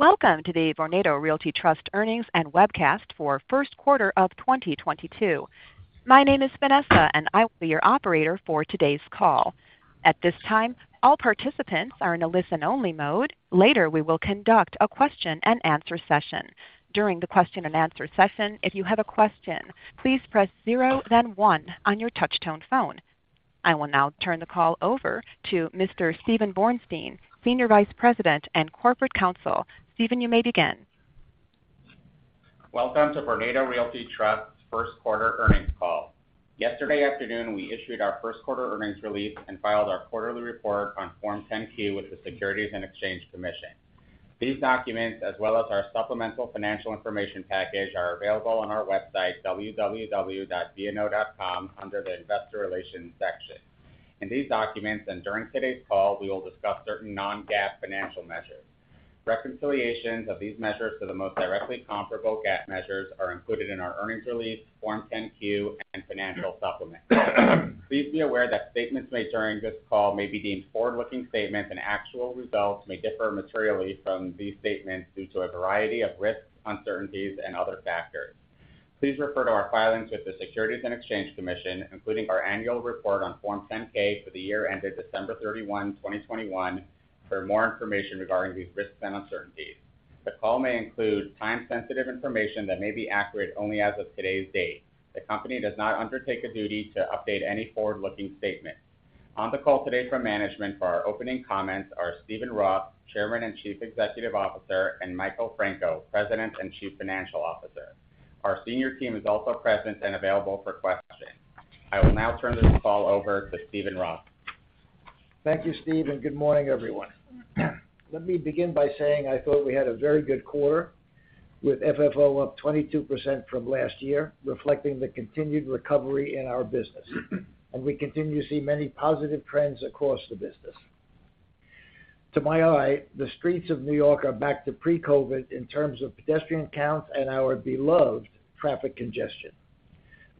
Welcome to the Vornado Realty Trust earnings and webcast for first quarter of 2022. My name is Vanessa, and I will be your operator for today's call. At this time, all participants are in a listen-only mode. Later, we will conduct a question-and-answer session. During the question-and-answer session, if you have a question, please press zero, then one on your touch tone phone. I will now turn the call over to Mr. Steven Borenstein, Senior Vice President and Corporate Counsel. Steven, you may begin. Welcome to Vornado Realty Trust first quarter earnings call. Yesterday afternoon, we issued our first quarter earnings release and filed our quarterly report on Form 10-Q with the SECURITIES AND EXCHANGE COMMISSION. These documents, as well as our supplemental financial information package, are available on our website, www.vno.com, under the Investor Relations section. In these documents and during today's call, we will discuss certain non-GAAP financial measures. Reconciliations of these measures to the most directly comparable GAAP measures are included in our earnings release, Form 10-Q, and financial supplement. Please be aware that statements made during this call may be deemed forward-looking statements, and actual results may differ materially from these statements due to a variety of risks, uncertainties and other factors. Please refer to our filings with the SECURITIES AND EXCHANGE COMMISSION, including our annual report on Form 10-K for the year ended December 31, 2021 for more information regarding these risks and uncertainties. The call may include time-sensitive information that may be accurate only as of today's date. The company does not undertake a duty to update any forward-looking statement. On the call today from management for our opening comments are Steven Roth, Chairman and Chief Executive Officer, and Michael Franco, President and Chief Financial Officer. Our senior team is also present and available for questions. I will now turn this call over to Steven Roth. Thank you, Steve, and good morning, everyone. Let me begin by saying I thought we had a very good quarter, with FFO up 22% from last year, reflecting the continued recovery in our business. We continue to see many positive trends across the business. To my eye, the streets of New York are back to pre-COVID in terms of pedestrian counts and our beloved traffic congestion.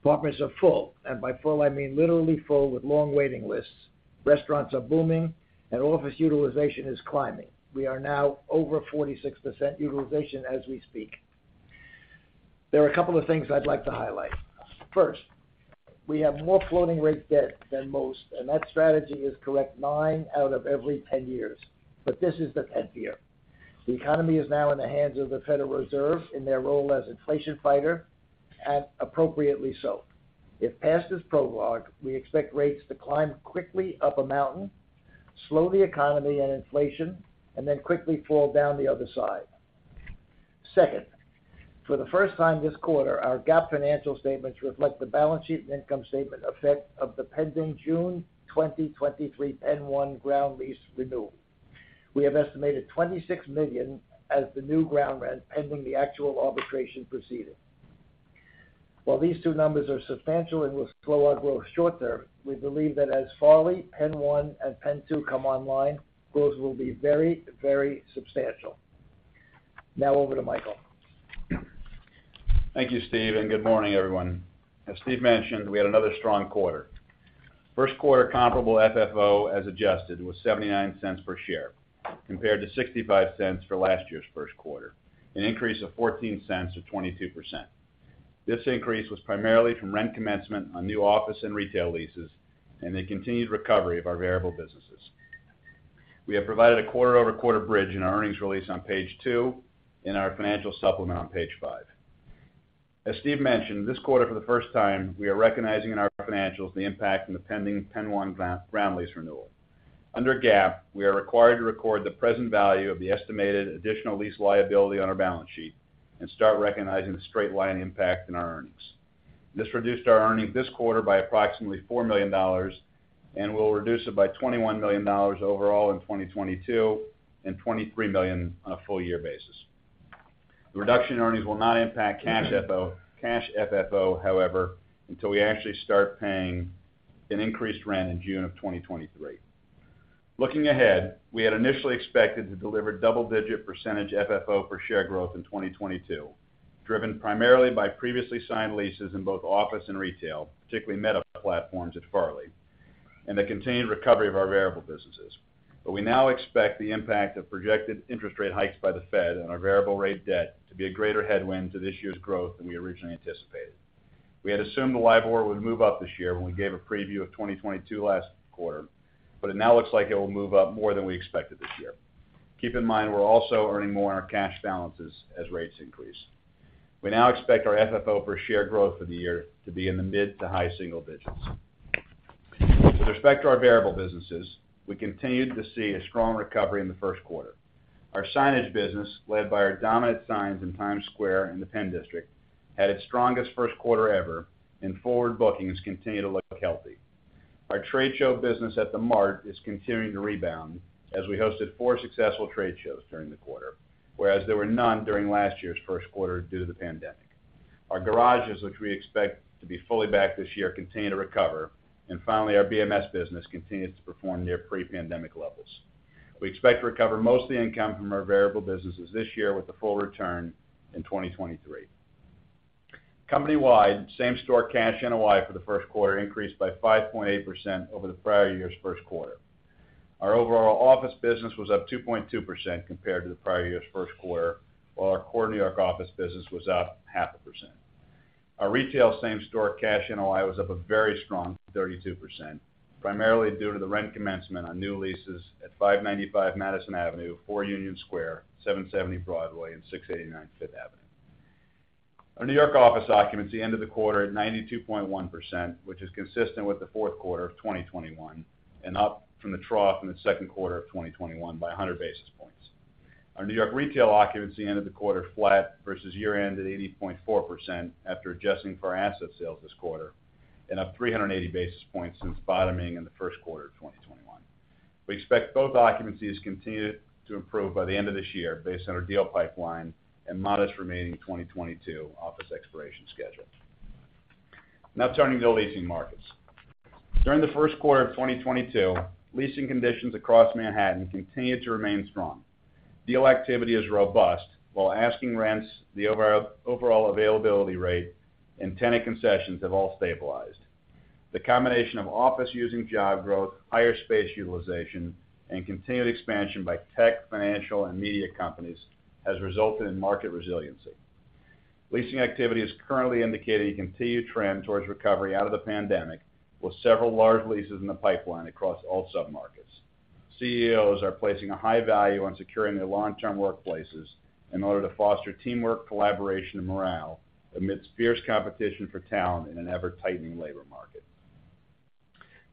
Apartments are full, and by full I mean literally full with long waiting lists. Restaurants are booming and office utilization is climbing. We are now over 46% utilization as we speak. There are a couple of things I'd like to highlight. First, we have more floating rate debt than most, and that strategy is correct nine out of every 10-years, but this is the 10th-year. The economy is now in the hands of the Federal Reserve in their role as inflation fighter, and appropriately so. If past is prologue, we expect rates to climb quickly up a mountain, slow the economy and inflation, and then quickly fall down the other side. Second, for the first time this quarter, our GAAP financial statements reflect the balance sheet and income statement effect of the pending June 2023 PENN 1 ground lease renewal. We have estimated $26 million as the new ground rent pending the actual arbitration proceeding. While these two numbers are substantial and will slow our growth short term, we believe that as Farley, PENN 1 and PENN 2 come online, growth will be very, very substantial. Now over to Michael. Thank you, Steve, and good morning everyone. As Steve mentioned, we had another strong quarter. First quarter comparable FFO, as adjusted, was $0.79 per share, compared to $0.65 for last year's first quarter, an increase of $0.14 or 22%. This increase was primarily from rent commencement on new office and retail leases and the continued recovery of our variable businesses. We have provided a quarter-over-quarter bridge in our earnings release on page 2 in our financial supplement on page 5. As Steve mentioned, this quarter for the first time, we are recognizing in our financials the impact from the pending PENN 1 ground lease renewal. Under GAAP, we are required to record the present value of the estimated additional lease liability on our balance sheet and start recognizing the straight-line impact in our earnings. This reduced our earnings this quarter by approximately $4 million and will reduce it by $21 million overall in 2022, and $23 million on a full year basis. The reduction in earnings will not impact cash FFO, however, until we actually start paying an increased rent in June of 2023. Looking ahead, we had initially expected to deliver double-digit percentage FFO per share growth in 2022, driven primarily by previously signed leases in both office and retail, particularly Meta Platforms at Farley, and the contained recovery of our variable businesses. We now expect the impact of projected interest rate hikes by the Fed on our variable rate debt to be a greater headwind to this year's growth than we originally anticipated. We had assumed the LIBOR would move up this year when we gave a preview of 2022 last quarter, but it now looks like it will move up more than we expected this year. Keep in mind, we're also earning more on our cash balances as rates increase. We now expect our FFO per share growth for the year to be in the mid to high single digits. With respect to our variable businesses, we continued to see a strong recovery in the first quarter. Our signage business, led by our dominant signs in Times Square in the PENN DISTRICT, had its strongest first quarter ever, and forward bookings continue to look healthy. Our trade show business at the Mart is continuing to rebound as we hosted four successful trade shows during the quarter, whereas there were none during last year's first quarter due to the pandemic. Our garages, which we expect to be fully back this year, continue to recover. Finally, our BMS business continues to perform near pre-pandemic levels. We expect to recover most of the income from our variable businesses this year with a full return in 2023. Company-wide same store cash NOI for the first quarter increased by 5.8% over the prior year's first quarter. Our overall office business was up 2.2% compared to the prior year's first quarter, while our core New York office business was up 0.5%. Our retail same store cash NOI was up a very strong 32%, primarily due to the rent commencement on new leases at 595 Madison Avenue, 4 Union Square, 770 Broadway and 689 Fifth Avenue. Our New York office occupancy end of the quarter at 92.1%, which is consistent with the fourth quarter of 2021 and up from the trough in the second quarter of 2021 by 100 basis points. Our New York retail occupancy end of the quarter flat versus year end at 80.4% after adjusting for our asset sales this quarter and up 380 basis points since bottoming in the first quarter of 2021. We expect both occupancies to continue to improve by the end of this year based on our deal pipeline and modest remaining 2022 office expiration schedule. Now turning to the leasing markets. During the first quarter of 2022, leasing conditions across Manhattan continued to remain strong. Deal activity is robust while asking rents, the overall availability rate and tenant concessions have all stabilized. The combination of office-using job growth, higher space utilization, and continued expansion by tech, financial, and media companies has resulted in market resiliency. Leasing activity is currently indicating continued trend towards recovery out of the pandemic, with several large leases in the pipeline across all submarkets. CEOs are placing a high value on securing their long-term workplaces in order to foster teamwork, collaboration and morale amidst fierce competition for talent in an ever-tightening labor market.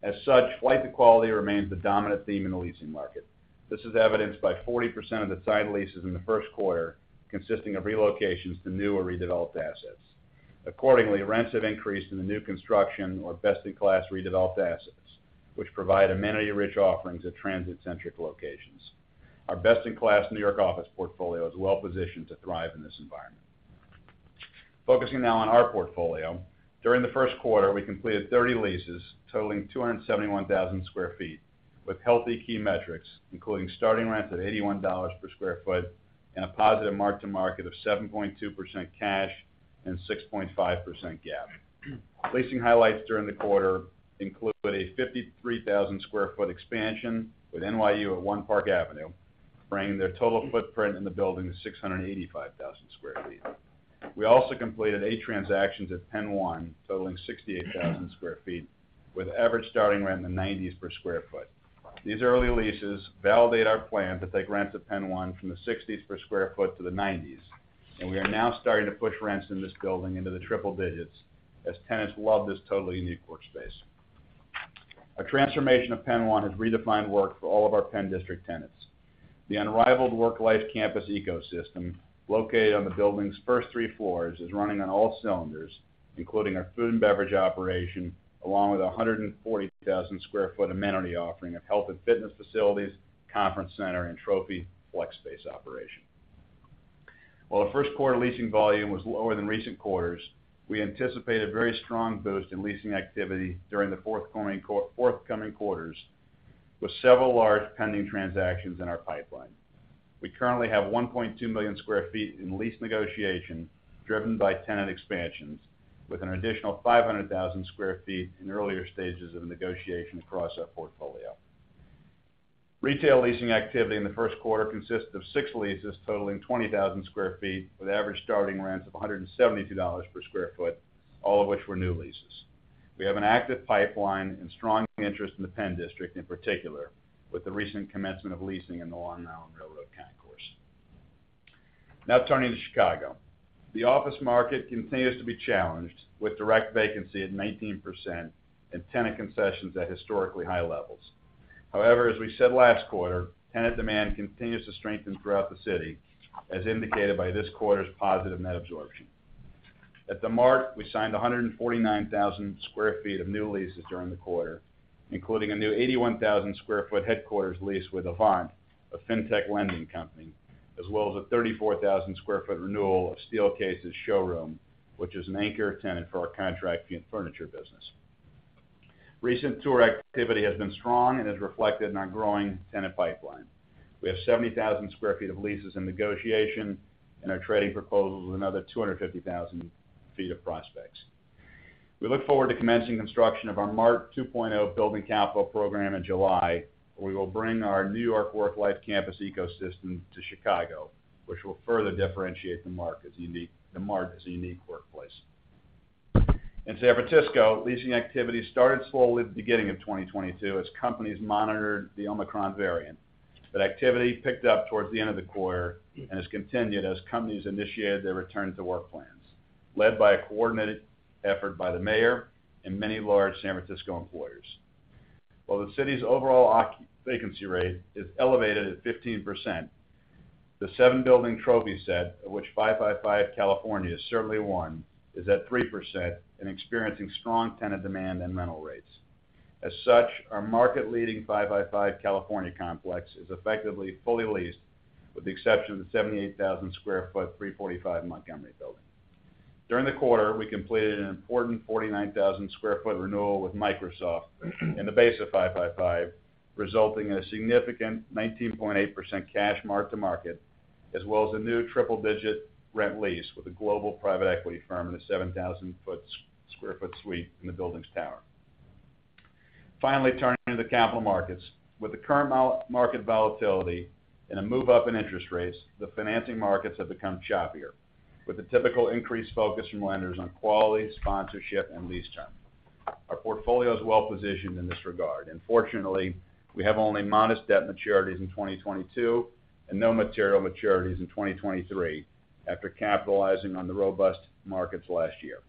As such, flight to quality remains the dominant theme in the leasing market. This is evidenced by 40% of the signed leases in the first quarter consisting of relocations to new or redeveloped assets. Accordingly, rents have increased in the new construction or best-in-class redeveloped assets, which provide amenity-rich offerings at transit-centric locations. Our best-in-class New York office portfolio is well positioned to thrive in this environment. Focusing now on our portfolio. During the first quarter, we completed 30 leases totaling 271,000 sq ft with healthy key metrics, including starting rent at $81 per sq ft and a positive mark-to-market of 7.2% cash and 6.5% GAAP. Leasing highlights during the quarter include a 53,000 sq ft expansion with NYU at One Park Avenue, bringing their total footprint in the building to 685,000 sq ft. We also completed eight transactions at PENN 1 totaling 68,000 sq ft, with average starting rent in the 90s per sq ft. These early leases validate our plan to take rents at PENN 1 from the $60s per sq ft to the $90s, and we are now starting to push rents in this building into the triple digits as tenants love this totally unique workspace. Our transformation of PENN 1 has redefined work for all of our PENN DISTRICT tenants. The unrivaled WorkLife campus ecosystem located on the building's first three floors is running on all cylinders, including our food and beverage operation, along with 140,000 sq ft amenity offering of health and fitness facilities, conference center and trophy flex space operation. While the first quarter leasing volume was lower than recent quarters, we anticipate a very strong boost in leasing activity during the forthcoming quarters with several large pending transactions in our pipeline. We currently have 1.2 million sq ft in lease negotiation driven by tenant expansions with an additional 500,000 sq ft in earlier stages of negotiation across our portfolio. Retail leasing activity in the first quarter consists of six leases totaling 20,000 sq ft, with average starting rents of $172 per sq ft, all of which were new leases. We have an active pipeline and strong interest in the PENN DISTRICT in particular, with the recent commencement of leasing in the Long Island Railroad Concourse. Now turning to Chicago. The office market continues to be challenged with direct vacancy at 19% and tenant concessions at historically high levels. However, as we said last quarter, tenant demand continues to strengthen throughout the city as indicated by this quarter's positive net absorption. At The Mart, we signed 149,000 sq ft of new leases during the quarter, including a new 81,000 sq ft headquarters lease with Avant, a fintech lending company, as well as a 34,000 sq ft renewal of Steelcase's showroom, which is an anchor tenant for our contract furniture business. Recent tour activity has been strong and is reflected in our growing tenant pipeline. We have 70,000 sq ft of leases in negotiation and are trading proposals with another 250,000 sq ft of prospects. We look forward to commencing construction of our Mart 2.0 building capital program in July. We will bring our New York WorkLife campus ecosystem to Chicago, which will further differentiate The Mart as a unique workplace. In San Francisco, leasing activity started slowly at the beginning of 2022 as companies monitored the Omicron variant. Activity picked up towards the end of the quarter and has continued as companies initiated their return to work plans, led by a coordinated effort by the mayor and many large San Francisco employers. While the city's overall vacancy rate is elevated at 15%, the seven building trophy set, of which 555 California is certainly one, is at 3% and experiencing strong tenant demand and rental rates. As such, our market leading 555 California complex is effectively fully leased with the exception of the 78,000 sq ft 345 Montgomery building. During the quarter, we completed an important 49,000 sq ft renewal with Microsoft in the base of 555, resulting in a significant 19.8% cash mark-to-market, as well as a new triple digit rent lease with a global private equity firm in a 7,000 sq ft suite in the building's tower. Finally turning to the capital markets. With the current market volatility and a move up in interest rates, the financing markets have become choppier, with the typical increased focus from lenders on quality, sponsorship, and lease terms. Our portfolio is well positioned in this regard. Fortunately, we have only modest debt maturities in 2022, and no material maturities in 2023 after capitalizing on the robust markets last year.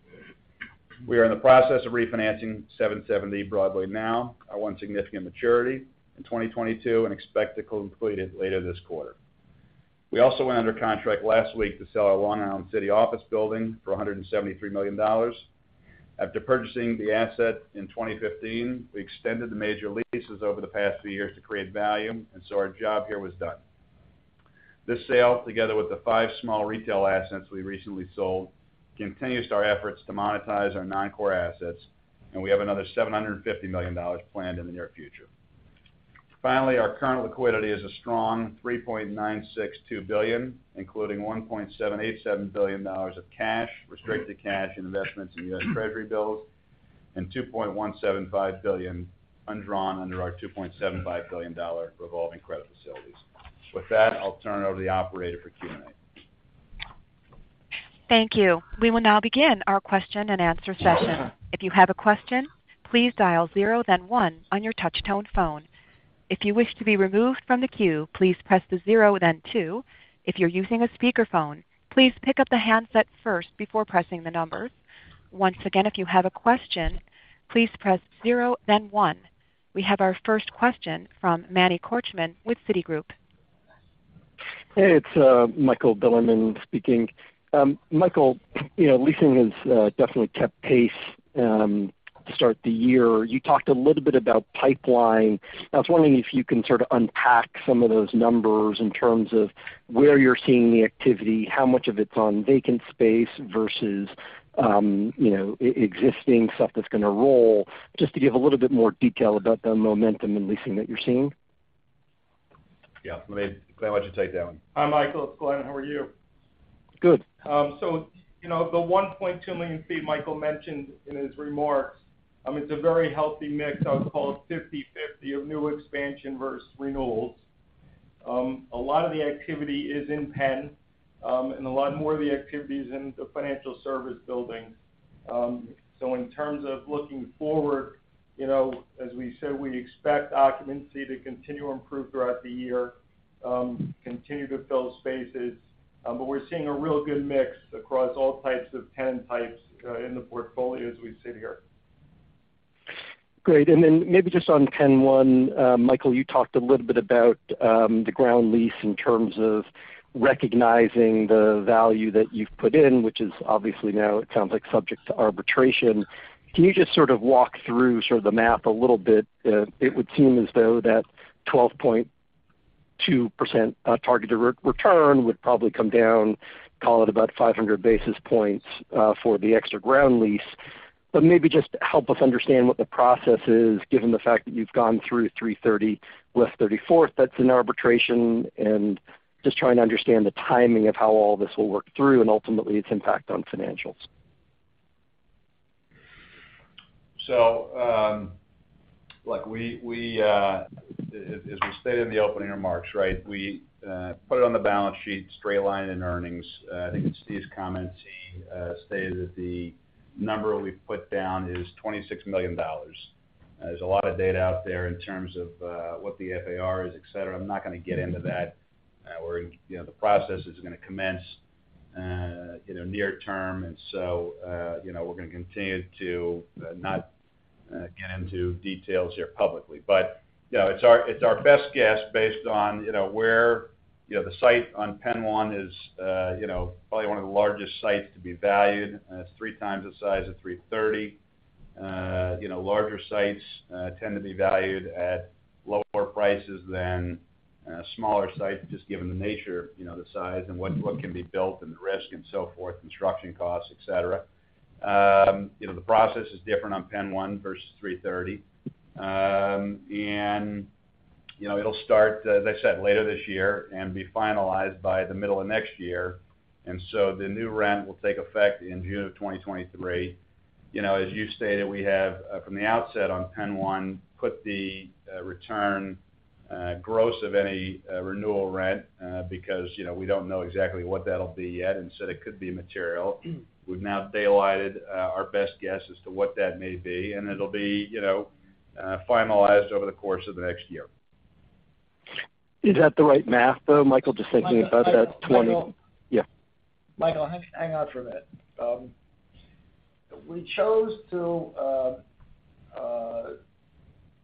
We are in the process of refinancing 770 Broadway now, our one significant maturity in 2022, and expect to complete it later this quarter. We also went under contract last week to sell our Long Island City office building for $173 million. After purchasing the asset in 2015, we extended the major leases over the past few years to create value, and so our job here was done. This sale, together with the five small retail assets we recently sold, continues our efforts to monetize our non-core assets, and we have another $750 million planned in the near future. Finally, our current liquidity is a strong $3.962 billion, including $1.787 billion of cash, restricted cash, and investments in U.S. Treasury bills, and $2.175 billion undrawn under our $2.75 billion revolving credit facilities. With that, I'll turn it over to the operator for Q&A. Thank you. We will now begin our question-and-answer session. If you have a question, please dial zero then one on your touch tone phone. If you wish to be removed from the queue, please press the zero then two. If you're using a speakerphone, please pick up the handset first before pressing the numbers. Once again, if you have a question, please press zero then one. We have our first question from Emmanuel Korchman with Citigroup. Hey, it's Michael Bilerman speaking. Michael, you know, leasing has definitely kept pace to start the year. You talked a little bit about pipeline. I was wondering if you can sort of unpack some of those numbers in terms of where you're seeing the activity, how much of it's on vacant space versus, you know, existing stuff that's gonna roll, just to give a little bit more detail about the momentum in leasing that you're seeing. Yeah. Glen, why don't you take that one? Hi, Michael. It's Glen. How are you? Good. You know, the 1.2 million sq ft Michael mentioned in his remarks, it's a very healthy mix. I would call it 50/50 of new expansion versus renewals. A lot of the activity is in PENN, and a lot more of the activity is in the financial service building. In terms of looking forward, you know, as we said, we expect occupancy to continue to improve throughout the year, continue to fill spaces. We're seeing a real good mix across all types of tenant types in the portfolio as we sit here. Great. Then maybe just on PENN 1, Michael, you talked a little bit about the ground lease in terms of recognizing the value that you've put in, which is obviously now it sounds like subject to arbitration. Can you just sort of walk through sort of the math a little bit? It would seem as though that 12.2% target required return would probably come down, call it about 500 basis points, for the extra ground lease. Maybe just help us understand what the process is, given the fact that you've gone through 330 West 34th, that's in arbitration, and just trying to understand the timing of how all this will work through and ultimately its impact on financials. Look, as we stated in the opening remarks, right, we put it on the balance sheet, straight line in earnings. I think Steve's comments stated that the number we put down is $26 million. There's a lot of data out there in terms of what the FAR is, et cetera. I'm not gonna get into that. You know, the process is gonna commence, you know, near term. You know, we're gonna continue to not get into details here publicly. You know, it's our best guess based on, you know, where, you know, the site on PENN 1 is, you know, probably one of the largest sites to be valued. It's three times the size of 330. You know, larger sites tend to be valued at lower prices than smaller sites, just given the nature, you know, the size and what can be built and the risk and so forth, construction costs, et cetera. You know, the process is different on PENN 1 versus 330. You know, it'll start, as I said, later this year and be finalized by the middle of next year. The new rent will take effect in June of 2023. You know, as you stated, we have, from the outset on PENN 1, put the return gross of any renewal rent, because, you know, we don't know exactly what that'll be yet, and so it could be material. We've now daylighted our best guess as to what that may be, and it'll be, you know, finalized over the course of the next year. Is that the right math, though, Michael? Just thinking about that 20-. Michael. Yeah. Michael, hang on for a minute. We chose to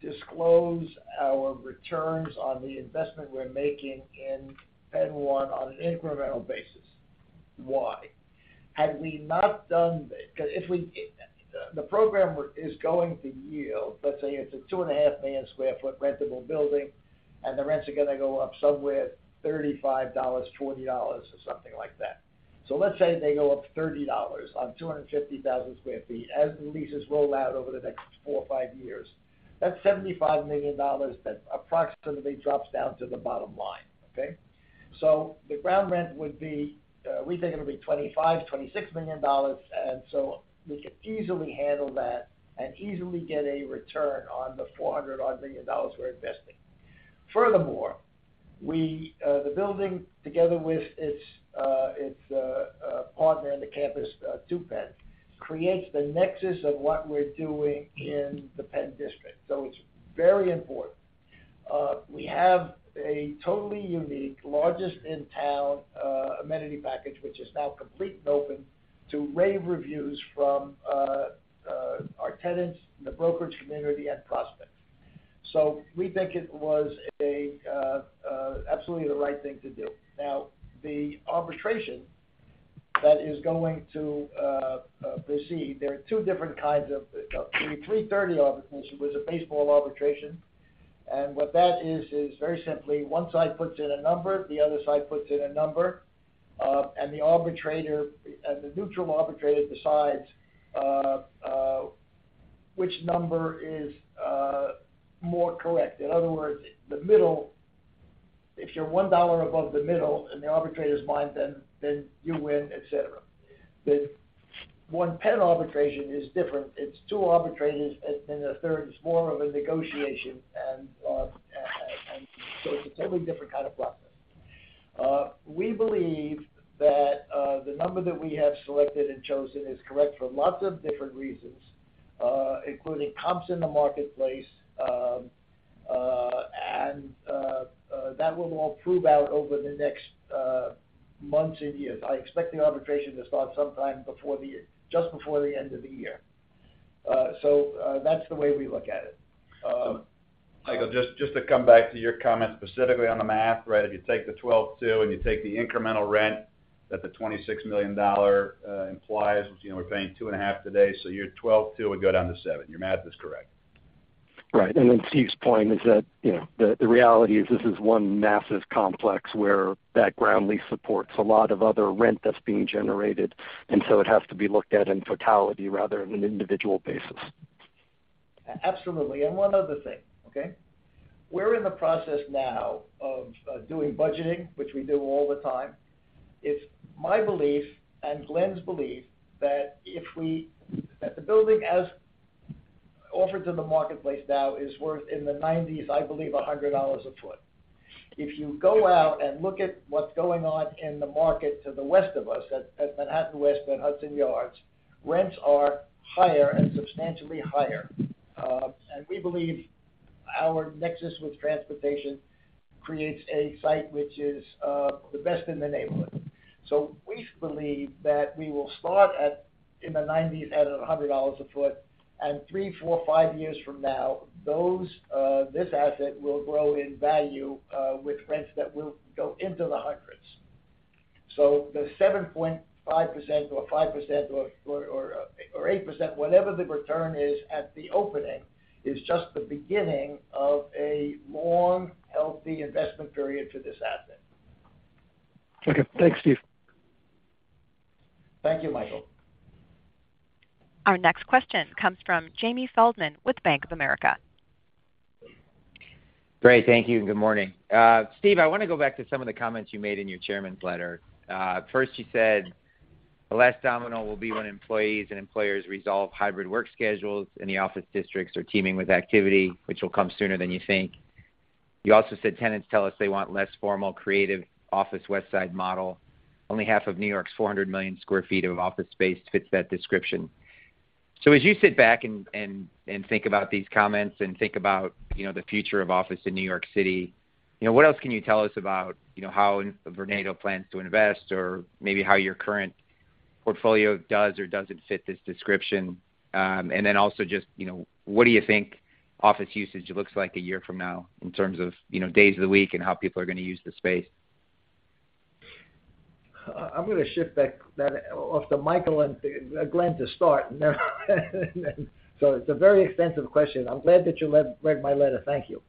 disclose our returns on the investment we're making in PENN 1 on an incremental basis. Why? The program is going to yield, let's say it's a 2.5 million sq ft rentable building, and the rents are gonna go up somewhere $35, $40, or something like that. Let's say they go up $30 on 250,000 sq ft as the leases roll out over the next four or five years. That's $75 million that approximately drops down to the bottom line, okay? The ground rent would be, we think it'll be $25 million-$26 million. We can easily handle that and easily get a return on the $400-odd million we're investing. Furthermore, the building together with its partner in the campus, Two PENN, creates the nexus of what we're doing in the PENN DISTRICT. It's very important. We have a totally unique, largest in town, amenity package, which is now complete and open to rave reviews from our tenants, the brokerage community, and prospects. We think it was absolutely the right thing to do. Now, the arbitration that is going to proceed, there are two different kinds of. The 330 arbitrations was a baseball arbitration. What that is is very simply, one side puts in a number, the other side puts in a number, and the arbitrator, the neutral arbitrator decides which number is more correct. In other words, the middle, if you're $1 dollar above the middle in the arbitrator's mind, then you win, et cetera. The One PENN arbitration is different. It's two arbitrators and a third. It's more of a negotiation. It's a totally different kind of process. We believe that the number that we have selected and chosen is correct for lots of different reasons, including comps in the marketplace, and that will all prove out over the next months and years. I expect the arbitration to start sometime before the year, just before the end of the year. That's the way we look at it. Michael, just to come back to your comment specifically on the math, right? If you take the 12.2, and you take the incremental rent that the $26 million implies, which, you know, we're paying $2.5 today, so your 12.2 would go down to seven. Your math is correct. Right. Steve's point is that, you know, the reality is this is one massive complex where that ground lease supports a lot of other rent that's being generated. It has to be looked at in totality rather than an individual basis. Absolutely. One other thing, okay? We're in the process now of doing budgeting, which we do all the time. It's my belief and Glen's belief that the building as offered to the marketplace now is worth in the 90s, I believe $100 a foot. If you go out and look at what's going on in the market to the west of us at Manhattan West and Hudson Yards, rents are higher and substantially higher. We believe our nexus with transportation creates a site which is the best in the neighborhood. We believe that we will start at in the 90s at $100 a foot, and three, four, five years from now, this asset will grow in value with rents that will go into the hundreds. The 7.5% or 5% or 8%, whatever the return is at the opening, is just the beginning of a long, healthy investment period for this asset. Okay. Thanks, Steve. Thank you, Michael. Our next question comes from Jamie Feldman with Bank of America. Great. Thank you, and good morning. Steve, I wanna go back to some of the comments you made in your chairman's letter. First you said, "The last domino will be when employees and employers resolve hybrid work schedules, and the office districts are teeming with activity, which will come sooner than you think." You also said, "Tenants tell us they want less formal creative office West Side model. Only half of New York's 400 million sq ft of office space fits that description." As you sit back and think about these comments and think about, you know, the future of office in New York City, you know, what else can you tell us about, you know, how Vornado plans to invest or maybe how your current portfolio does or doesn't fit this description? Also just, you know, what do you think office usage looks like a year from now in terms of, you know, days of the week and how people are gonna use the space? I'm gonna shift back that off to Michael and Glen to start. It's a very extensive question. I'm glad that you read my letter. Thank you.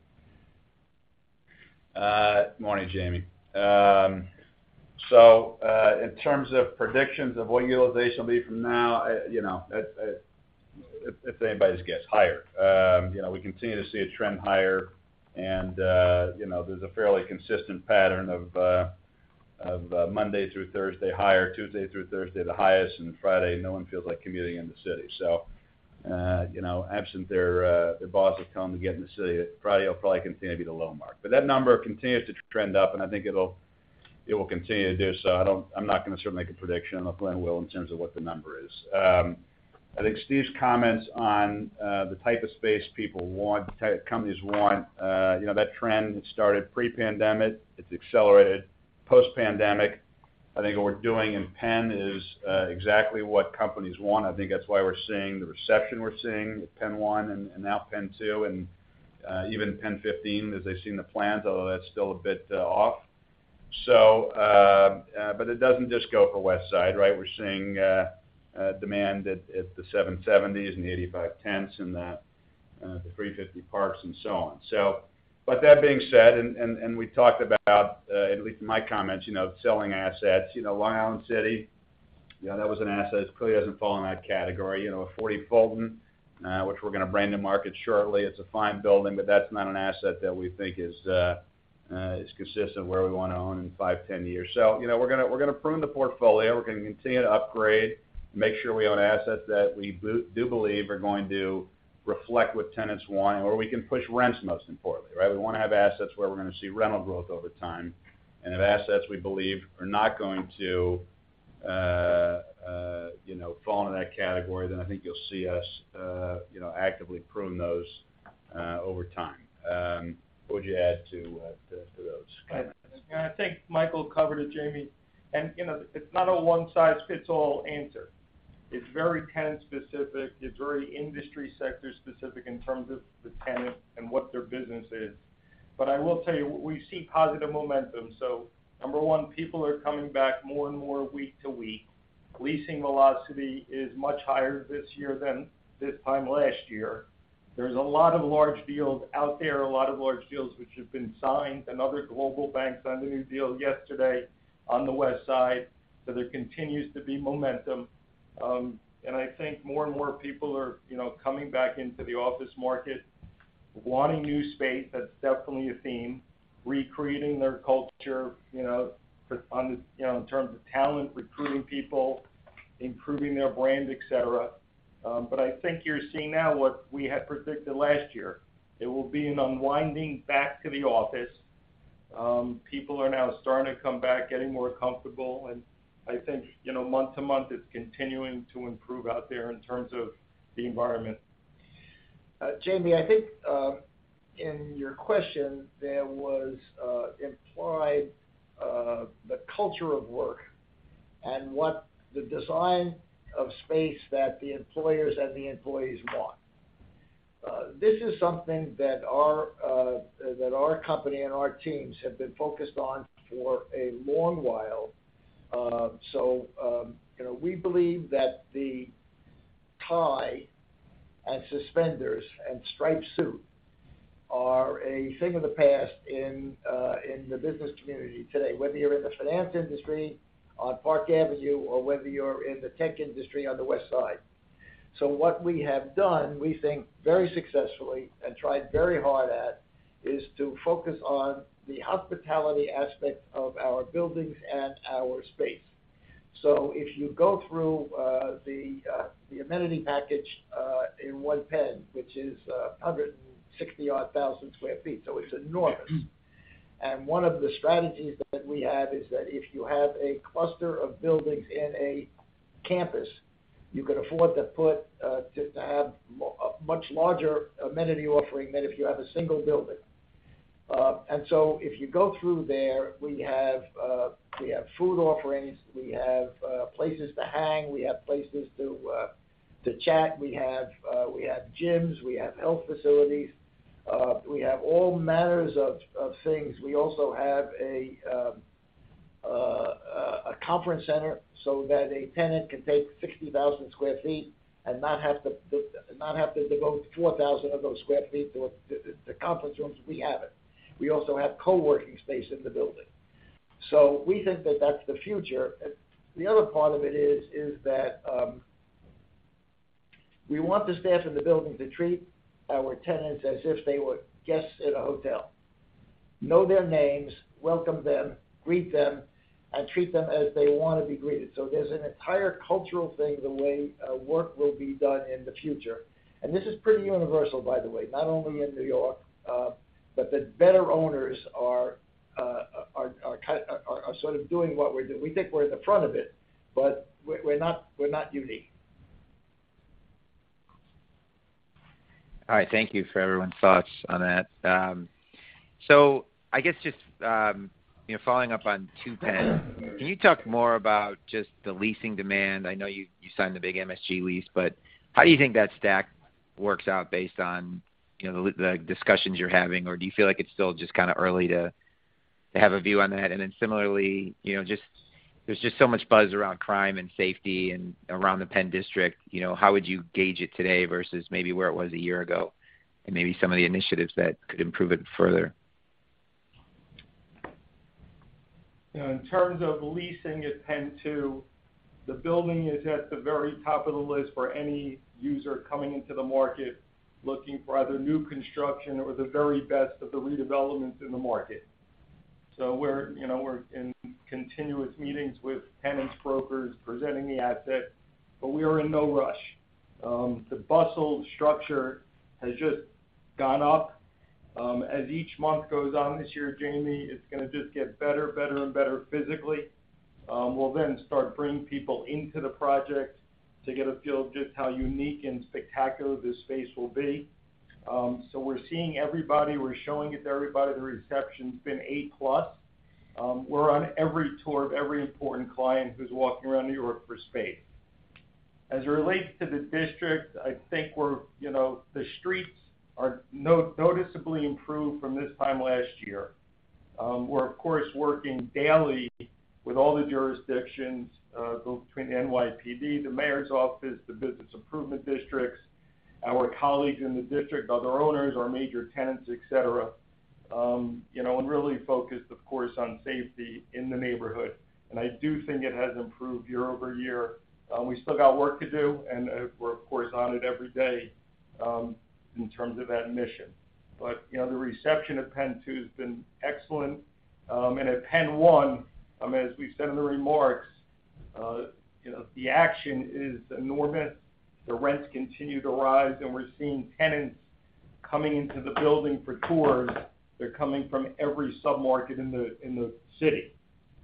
Morning, Jamie. In terms of predictions of what utilization will be from now, you know, it's anybody's guess, higher. You know, we continue to see a trend higher, and you know, there's a fairly consistent pattern of Monday through Thursday higher, Tuesday through Thursday the highest, and Friday no one feels like commuting in the city. You know, absent their bosses telling them to get in the city, Friday will probably continue to be the low mark. That number continues to trend up, and I think it will continue to do so. I'm not gonna sort of make a prediction, I don't know if Glen will, in terms of what the number is. I think Steve's comments on the type of space people want, companies want, you know, that trend had started pre-pandemic. It's accelerated post-pandemic. I think what we're doing in PENN is exactly what companies want. I think that's why we're seeing the reception we're seeing with PENN 1 and now PENN 2 and even PENN 15, as they've seen the plans, although that's still a bit off. It doesn't just go for West Side, right? We're seeing demand at the 770s and the 85 Tenth and the 350 Park and so on. That being said, and we talked about, at least in my comments, you know, selling assets. You know, Long Island City. Yeah, that was an asset. It clearly doesn't fall in that category. You know, 40 Fulton, which we're gonna bring to market shortly. It's a fine building, but that's not an asset that we think is consistent where we wanna own in five, 10-years. You know, we're gonna prune the portfolio. We're gonna continue to upgrade, make sure we own assets that we do believe are going to reflect what tenants want, and where we can push rents most importantly, right? We wanna have assets where we're gonna see rental growth over time, and have assets we believe are not going to, you know, fall into that category. I think you'll see us, you know, actively prune those over time. What would you add to those comments? I think Michael covered it, Jamie. You know, it's not a one-size-fits-all answer. It's very tenant-specific. It's very industry sector specific in terms of the tenant and what their business is. I will tell you, we see positive momentum. Number one, people are coming back more and more week to week. Leasing velocity is much higher this year than this time last year. There's a lot of large deals out there, a lot of large deals which have been signed. Another global bank signed a new deal yesterday on the west side. There continues to be momentum. And I think more and more people are, you know, coming back into the office market, wanting new space. That's definitely a theme. Recreating their culture, you know, in terms of talent, recruiting people, improving their brand, et cetera. I think you're seeing now what we had predicted last year. It will be an unwinding back to the office. People are now starting to come back, getting more comfortable, and I think, you know, month to month it's continuing to improve out there in terms of the environment. Jamie, I think, in your question there was implied, the culture of work and what the design of space that the employers and the employees want. This is something that our company and our teams have been focused on for a long while. You know, we believe that the tie and suspenders and striped suit are a thing of the past in the business community today, whether you're in the finance industry on Park Avenue or whether you're in the tech industry on the west side. What we have done, we think very successfully and tried very hard at, is to focus on the hospitality aspect of our buildings and our space. If you go through the amenity package in One PENN, which is 160-odd thousand sq ft, it's enormous. One of the strategies that we have is that if you have a cluster of buildings in a campus, you can afford to have a much larger amenity offering than if you have a single building. If you go through there, we have food offerings. We have places to hang. We have places to chat. We have gyms. We have health facilities. We have all manners of things. We also have a conference center so that a tenant can take 60,000 sq ft and not have to devote 4,000 of those sq ft to the conference rooms. We have it. We also have co-working space in the building. We think that that's the future. The other part of it is that we want the staff in the building to treat our tenants as if they were guests at a hotel. Know their names, welcome them, greet them, and treat them as they want to be greeted. There's an entire cultural thing, the way work will be done in the future. This is pretty universal, by the way, not only in New York, but the better owners are sort of doing what we're doing. We think we're at the front of it, but we're not unique. All right. Thank you for everyone's thoughts on that. I guess just, you know, following up on Two PENN, can you talk more about just the leasing demand? I know you signed the big MSG lease, but how do you think that stack works out based on, you know, the discussions you're having? Or do you feel like it's still just kinda early to have a view on that? Then similarly, you know, there's just so much buzz around crime and safety around the PENN DISTRICT. You know, how would you gauge it today versus maybe where it was a year ago, and maybe some of the initiatives that could improve it further? In terms of leasing at PENN 2, the building is at the very top of the list for any user coming into the market looking for either new construction or the very best of the redevelopments in the market. We're, you know, we're in continuous meetings with tenants, brokers, presenting the asset, but we are in no rush. The bustle structure has just gone up. As each month goes on this year, Jamie, it's gonna just get better and better physically. We'll then start bringing people into the project to get a feel of just how unique and spectacular this space will be. We're seeing everybody. We're showing it to everybody. The reception's been A-plus. We're on every tour of every important client who's walking around New York for space. As it relates to the district, I think we're, you know, the streets are noticeably improved from this time last year. We're of course working daily with all the jurisdictions, both between the NYPD, the mayor's office, the business improvement districts. Our colleagues in the district, other owners, our major tenants, et cetera, you know, and really focused, of course, on safety in the neighborhood. I do think it has improved year-over-year. We still got work to do, and we're of course, on it every day, in terms of that mission. You know, the reception of PENN 2 has been excellent. At PENN 1, as we've said in the remarks, you know, the action is enormous. The rents continue to rise, and we're seeing tenants coming into the building for tours. They're coming from every submarket in the city.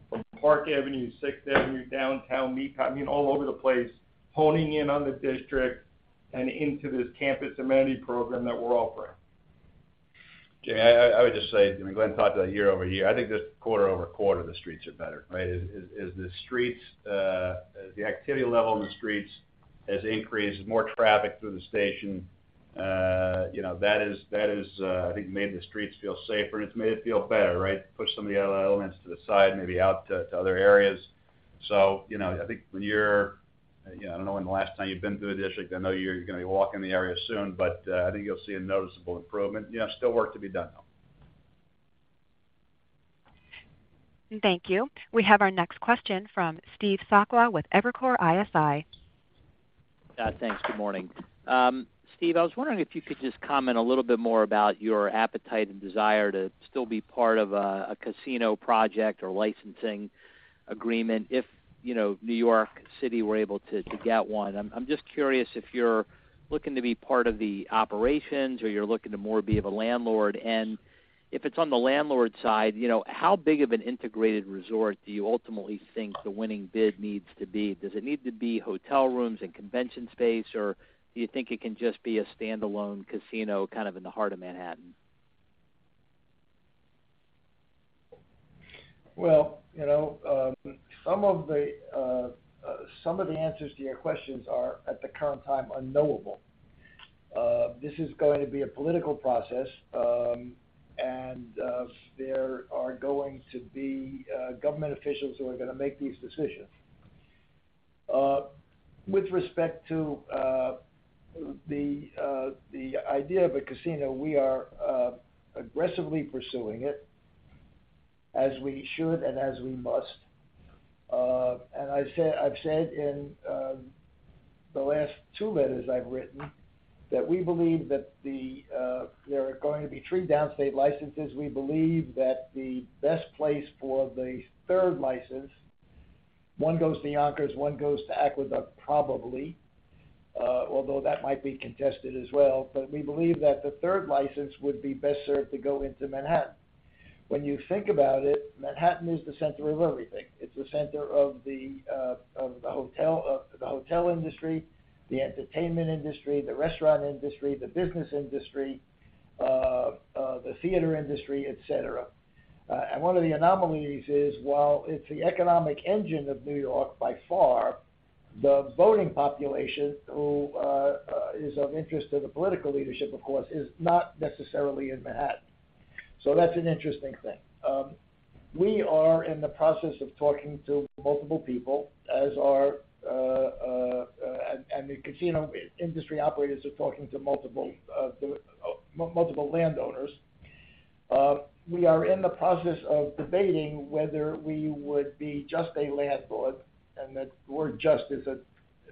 From Park Avenue, Sixth Avenue, Downtown, I mean, all over the place, honing in on the district and into this campus amenity program that we're offering. Jay, I would just say, I mean, Glen talked about year-over-year. I think just quarter-over-quarter, the streets are better, right? As the activity level in the streets has increased more traffic through the station, you know, that is, I think, made the streets feel safer, and it's made it feel better, right? Push some of the other elements to the side, maybe out to other areas. You know, I think when you're, you know, I don't know when the last time you've been to the district. I know you're gonna be walking the area soon, but, I think you'll see a noticeable improvement. You know, still work to be done, though. Thank you. We have our next question from Steve Sakwa with Evercore ISI. Thanks. Good morning. Steve, I was wondering if you could just comment a little bit more about your appetite and desire to still be part of a casino project or licensing agreement. If, you know, New York City were able to get one. I'm just curious if you're looking to be part of the operations or you're looking to more be of a landlord. If it's on the landlord side, you know, how big of an integrated resort do you ultimately think the winning bid needs to be? Does it need to be hotel rooms and convention space, or do you think it can just be a standalone casino, kind of in the heart of Manhattan? Well, you know, some of the answers to your questions are, at the current time, unknowable. This is going to be a political process, and there are going to be government officials who are gonna make these decisions. With respect to the idea of a casino, we are aggressively pursuing it as we should and as we must. I've said in the last two letters I've written that we believe that there are going to be three Downstate licenses. We believe that the best place for the third license, one goes to Yonkers, one goes to Aqueduct, probably, although that might be contested as well. We believe that the third license would be best served to go into Manhattan. When you think about it, Manhattan is the center of everything. It's the center of the hotel industry, the entertainment industry, the restaurant industry, the business industry, the theater industry, et cetera. One of the anomalies is, while it's the economic engine of New York by far, the voting population who is of interest to the political leadership, of course, is not necessarily in Manhattan. That's an interesting thing. We are in the process of talking to multiple people, as are and the casino industry operators are talking to multiple landowners. We are in the process of debating whether we would be just a landlord, and the word just is a,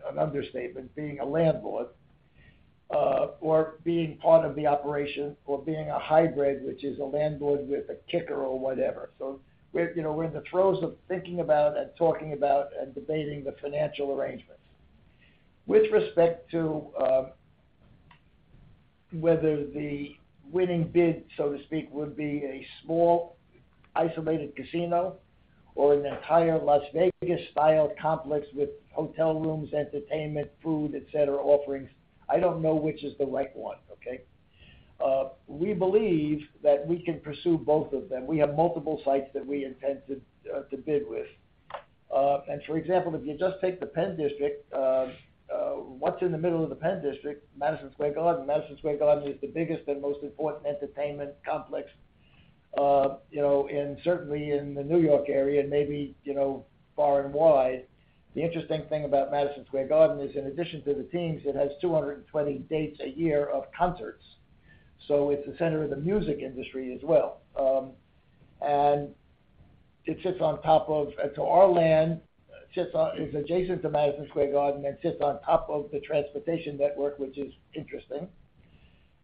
an understatement, being a landlord, or being part of the operation or being a hybrid, which is a landlord with a kicker or whatever. We're, you know, in the throes of thinking about and talking about and debating the financial arrangements. With respect to whether the winning bid, so to speak, would be a small isolated casino or an entire Las Vegas style complex with hotel rooms, entertainment, food, et cetera, offerings, I don't know which is the right one, okay? We believe that we can pursue both of them. We have multiple sites that we intend to bid with. For example, if you just take the PENN DISTRICT, what's in the middle of the PENN DISTRICT? Madison Square Garden. Madison Square Garden is the biggest and most important entertainment complex, you know, certainly in the New York area, and maybe, you know, far and wide. The interesting thing about Madison Square Garden is, in addition to the teams, it has 220 dates a year of concerts. It's the center of the music industry as well. Our land is adjacent to Madison Square Garden and sits on top of the transportation network, which is interesting.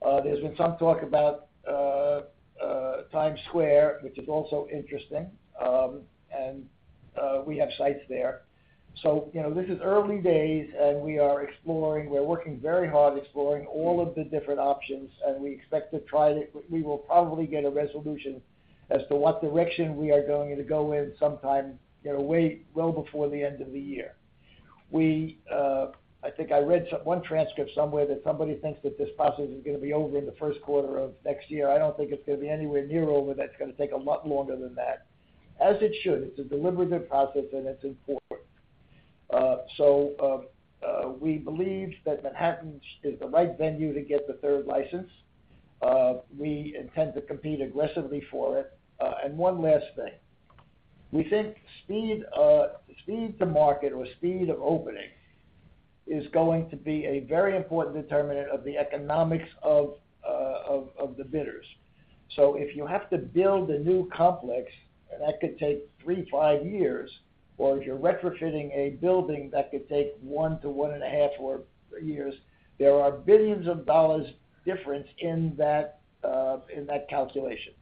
There's been some talk about Times Square, which is also interesting, and we have sites there. You know, this is early days, and we are exploring. We're working very hard exploring all of the different options, and we will probably get a resolution as to what direction we are going to go in sometime, you know, way well before the end of the year. I think I read one transcript somewhere that somebody thinks that this process is gonna be over in the first quarter of next year. I don't think it's gonna be anywhere near over. That's gonna take a lot longer than that, as it should. It's a deliberative process, and it's important. We believe that Manhattan is the right venue to get the third license. We intend to compete aggressively for it. One last thing. We think speed to market or speed of opening is going to be a very important determinant of the economics of the bidders. If you have to build a new complex, that could take three to five years, or if you're retrofitting a building, that could take one to 1.5 years, there are billions of dollars difference in that calculation.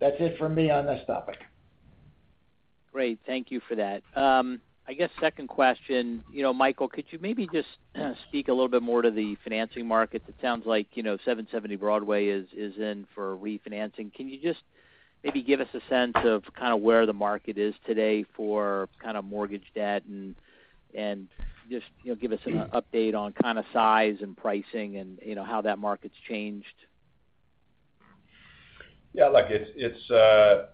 That's it for me on this topic. Great. Thank you for that. I guess second question. You know, Michael, could you maybe just speak a little bit more to the financing market? It sounds like, you know, 770 Broadway is in for refinancing. Can you just maybe give us a sense of kinda where the market is today for kinda mortgage debt and just, you know, give us an update on kinda size and pricing and, you know, how that market's changed? Yeah, look, it's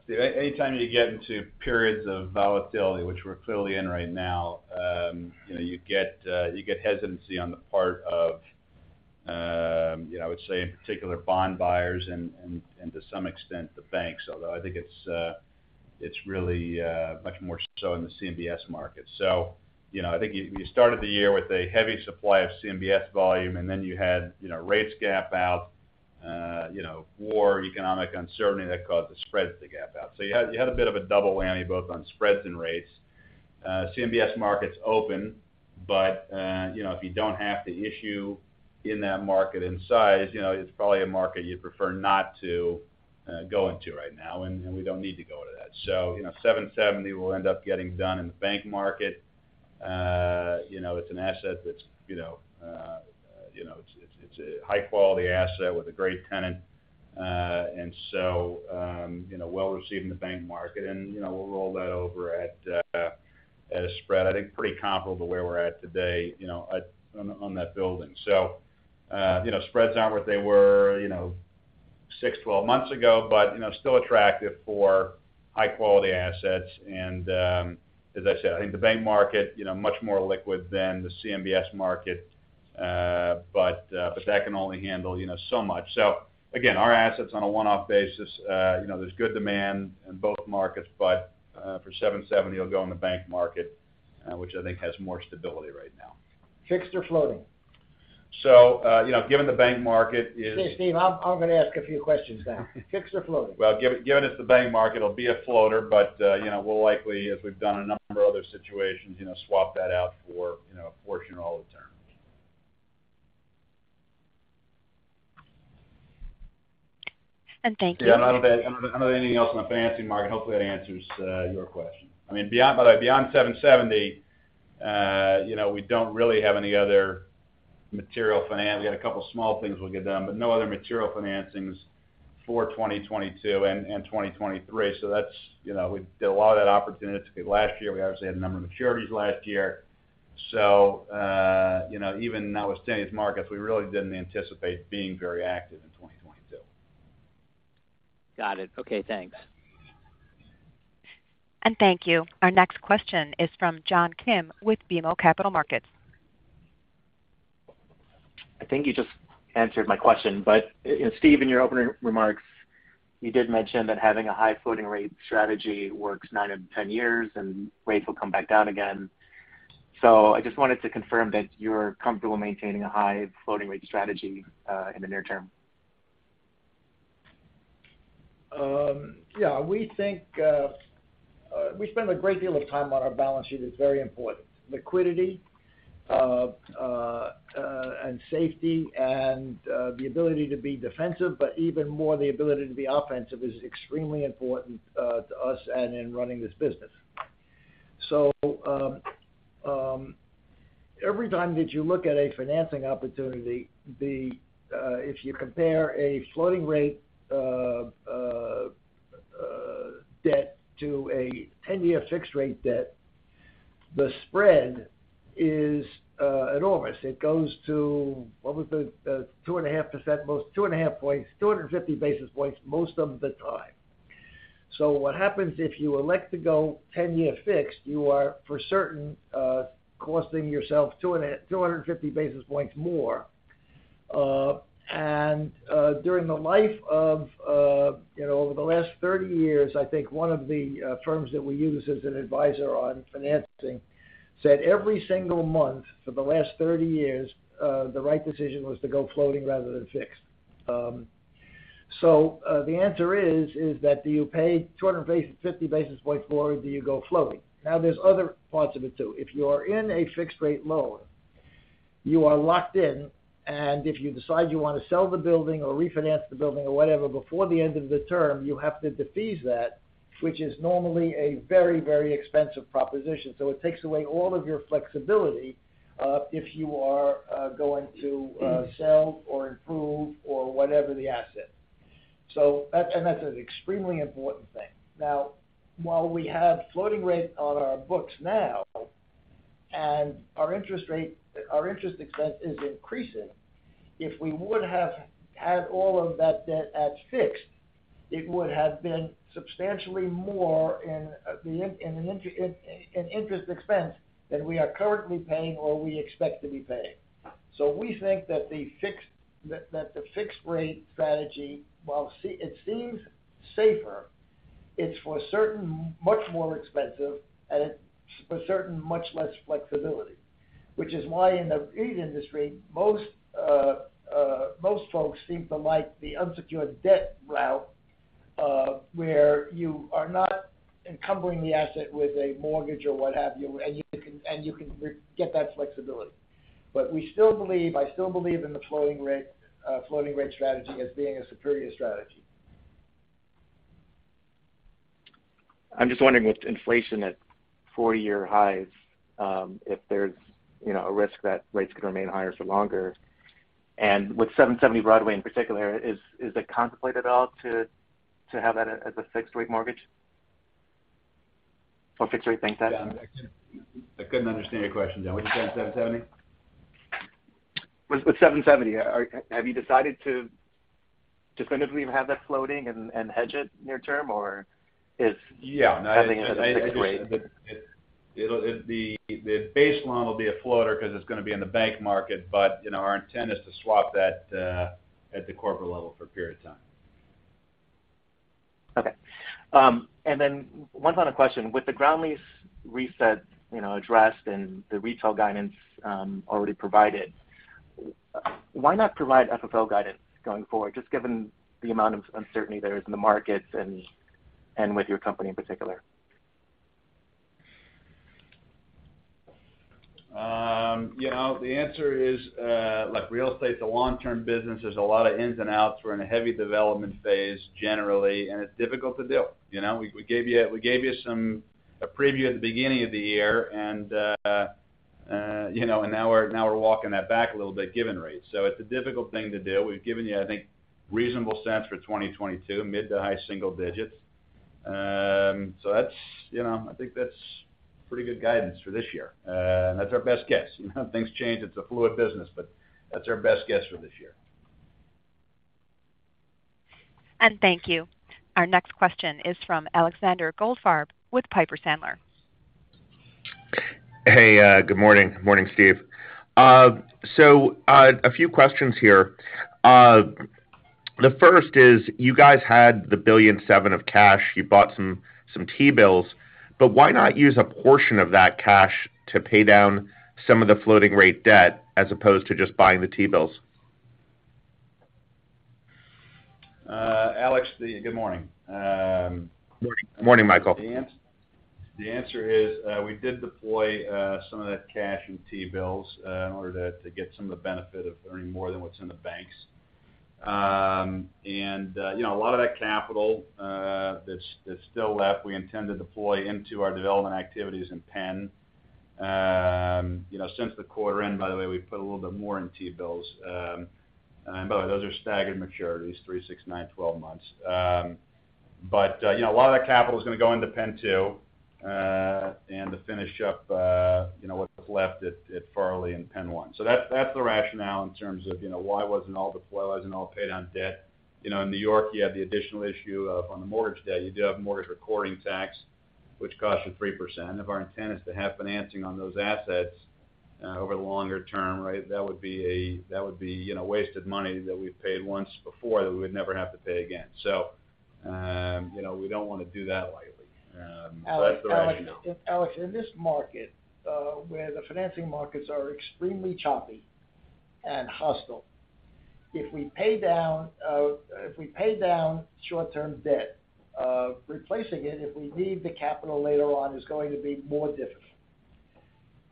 anytime you get into periods of volatility, which we're clearly in right now. You know, you get hesitancy on the part of, you know, I would say in particular bond buyers and to some extent the banks, although I think it's really much more so in the CMBS market. You know, I think you started the year with a heavy supply of CMBS volume, and then you had rates gap out, you know, war, economic uncertainty that caused the spreads to gap out. You had a bit of a double whammy both on spreads and rates. CMBS market's open, but you know, if you don't have to issue in that market and size, you know, it's probably a market you'd prefer not to go into right now, and we don't need to go into that. You know, 770 will end up getting done in the bank market. You know, it's an asset that's you know, it's a high-quality asset with a great tenant, and you know, well-received in the bank market. You know, we'll roll that over at a spread I think pretty comparable to where we're at today you know on that building. You know, spreads aren't what they were you know six, 12-months ago, but you know, still attractive for high-quality assets. As I said, I think the bank market, you know, much more liquid than the CMBS market, but that can only handle, you know, so much. Again, our assets on a one-off basis, you know, there's good demand in both markets, but for 770, it'll go in the bank market, which I think has more stability right now. Fixed or floating? you know, given the bank market is-. Okay, Steve, I'm gonna ask a few questions now. Fixed or floating? Well, given it's the bank market, it'll be a floater. You know, we'll likely, as we've done a number of other situations, you know, swap that out for, you know, a portion or all of the terms. Thank you. Yeah, I don't have anything else in the financing market. Hopefully, that answers your question. I mean, by the way, beyond 770, you know, we don't really have any other material financing. We got a couple of small things we'll get done, but no other material financings for 2022 and 2023. So that's, you know, we did a lot of that opportunistically last year. We obviously had a number of maturities last year. So, you know, even notwithstanding these markets, we really didn't anticipate being very active in 2022. Got it. Okay, thanks. Thank you. Our next question is from John Kim with BMO Capital Markets. I think you just answered my question. Steve, in your opening remarks, you did mention that having a high floating rate strategy works nine out of 10-years, and rates will come back down again. I just wanted to confirm that you're comfortable maintaining a high floating rate strategy in the near term. Yeah. We think we spend a great deal of time on our balance sheet. It's very important. Liquidity and safety and the ability to be defensive, but even more the ability to be offensive is extremely important to us and in running this business. Every time that you look at a financing opportunity, if you compare a floating rate debt to a 10-year fixed-rate debt, the spread is enormous. It goes to 2.5%, most 2.5 points, 250 basis points most of the time. What happens if you elect to go 10-year fixed, you are for certain costing yourself 250 basis points more. During the life of, you know, over the last 30-years, I think one of the firms that we use as an advisor on financing said every single month for the last 30-years, the right decision was to go floating rather than fixed. The answer is that do you pay 250 basis points more or do you go floating? Now, there's other parts of it, too. If you are in a fixed rate loan, you are locked in, and if you decide you wanna sell the building or refinance the building or whatever before the end of the term, you have to defease that, which is normally a very, very expensive proposition. It takes away all of your flexibility if you are going to sell or improve or whatever the asset. That's an extremely important thing. Now, while we have floating rate on our books now and our interest expense is increasing, if we would have had all of that debt at fixed, it would have been substantially more in interest expense than we are currently paying or we expect to be paying. We think that the fixed rate strategy, while it seems safer, it's certainly much more expensive and it's certainly much less flexibility. Which is why in the REIT industry, most folks seem to like the unsecured debt route, where you are not encumbering the asset with a mortgage or what have you, and you can get that flexibility. I still believe in the floating rate strategy as being a superior strategy. I'm just wondering with inflation at four year highs, if there's, you know, a risk that rates could remain higher for longer. With 770 Broadway in particular, is it contemplated at all to have that as a fixed rate mortgage? Or fixed rate bank debt? Yeah. I couldn't understand your question, John. What'd you say? 770? With 770, have you decided to definitively have that floating and hedge it near term, or is-. Yeah. No. Heading into the fixed rate? The base loan will be a floater because it's gonna be in the bank market. You know, our intent is to swap that at the corporate level for a period of time. Okay. One final question. With the ground lease reset, you know, addressed and the retail guidance already provided, why not provide FFO guidance going forward, just given the amount of uncertainty there is in the markets and with your company in particular? You know, the answer is, look, real estate's a long-term business. There's a lot of ins and outs. We're in a heavy development phase generally, and it's difficult to do, you know? We gave you a preview at the beginning of the year, and you know, now we're walking that back a little bit given rates. It's a difficult thing to do. We've given you, I think, reasonable sense for 2022, mid- to high-single digits%. That's, you know, I think that's pretty good guidance for this year. That's our best guess. You know, things change, it's a fluid business, but that's our best guess for this year. Thank you. Our next question is from Alexander Goldfarb with Piper Sandler. Hey, good morning. Good morning, Steve. A few questions here. The first is, you guys had the $1.7 billion of cash, you bought some T-bills, but why not use a portion of that cash to pay down some of the floating rate debt as opposed to just buying the T-bills? Alex, good morning. Morning. Morning, Michael. The answer is, we did deploy some of that cash in T-bills in order to get some of the benefit of earning more than what's in the banks. You know, a lot of that capital that's still left, we intend to deploy into our development activities in PENN. You know, since the quarter end, by the way, we've put a little bit more in T-bills. By the way, those are staggered maturities, three, six, nine, 12-months. You know, a lot of that capital is gonna go into PENN 2 and to finish up you know what's left at Farley and PENN 1. That's the rationale in terms of you know why wasn't all deployed, why wasn't all paid on debt. You know, in New York, you have the additional issue of on the mortgage debt, you do have mortgage recording tax, which costs you 3%. If our intent is to have financing on those assets over the longer term, right? That would be you know wasted money that we've paid once before that we would never have to pay again. You know, we don't wanna do that lightly. That's the rationale. Alex, in this market, where the financing markets are extremely choppy and hostile, if we pay down short-term debt, replacing it, if we need the capital later on, is going to be more difficult.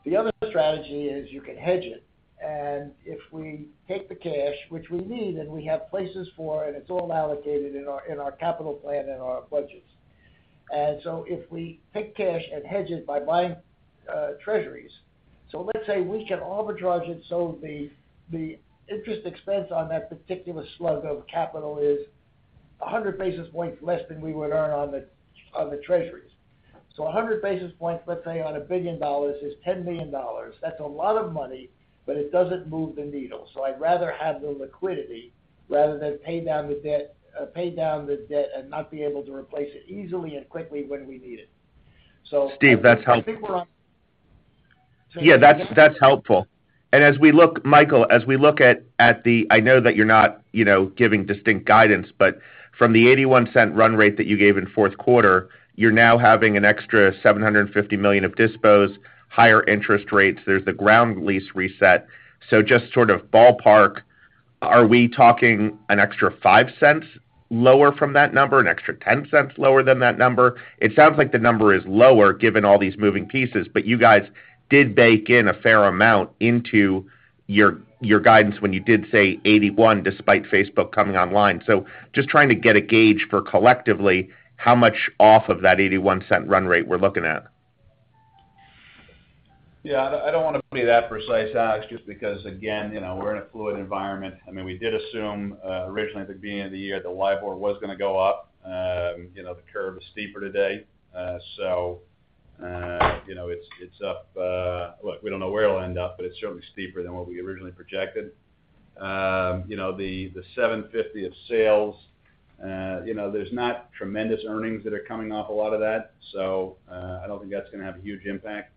The other strategy is you can hedge it. If we take the cash, which we need and we have places for, and it's all allocated in our capital plan and our budgets. If we take cash and hedge it by buying treasuries. Let's say we can arbitrage it so the interest expense on that particular slug of capital is 100 basis points less than we would earn on the treasuries. 100 basis points, let's say, on $1 billion is $10 million. That's a lot of money, but it doesn't move the needle. I'd rather have the liquidity rather than pay down the debt and not be able to replace it easily and quickly when we need it. Steve, that's. I think we're on-. Yeah, that's helpful. As we look, Michael, as we look at the, I know that you're not, you know, giving distinct guidance, but from the $0.81 run rate that you gave in fourth quarter, you're now having an extra $750 million of dispositions, higher interest rates. There's the ground lease reset. Just sort of ballpark, are we talking an extra $0.05 lower from that number? An extra $0.10 lower than that number? It sounds like the number is lower given all these moving pieces, but you guys did bake in a fair amount into your guidance when you did say $0.81 despite Facebook coming online. Just trying to get a gauge for collectively how much off of that $0.81 run rate we're looking at. Yeah. I don't wanna be that precise, Alex, just because again, you know, we're in a fluid environment. I mean, we did assume originally at the beginning of the year that the LIBOR was gonna go up. You know, the curve is steeper today. You know, it's up. Look, we don't know where it'll end up, but it's certainly steeper than what we originally projected. You know, the $750 of sales, you know, there's not tremendous earnings that are coming off a lot of that, so I don't think that's gonna have a huge impact.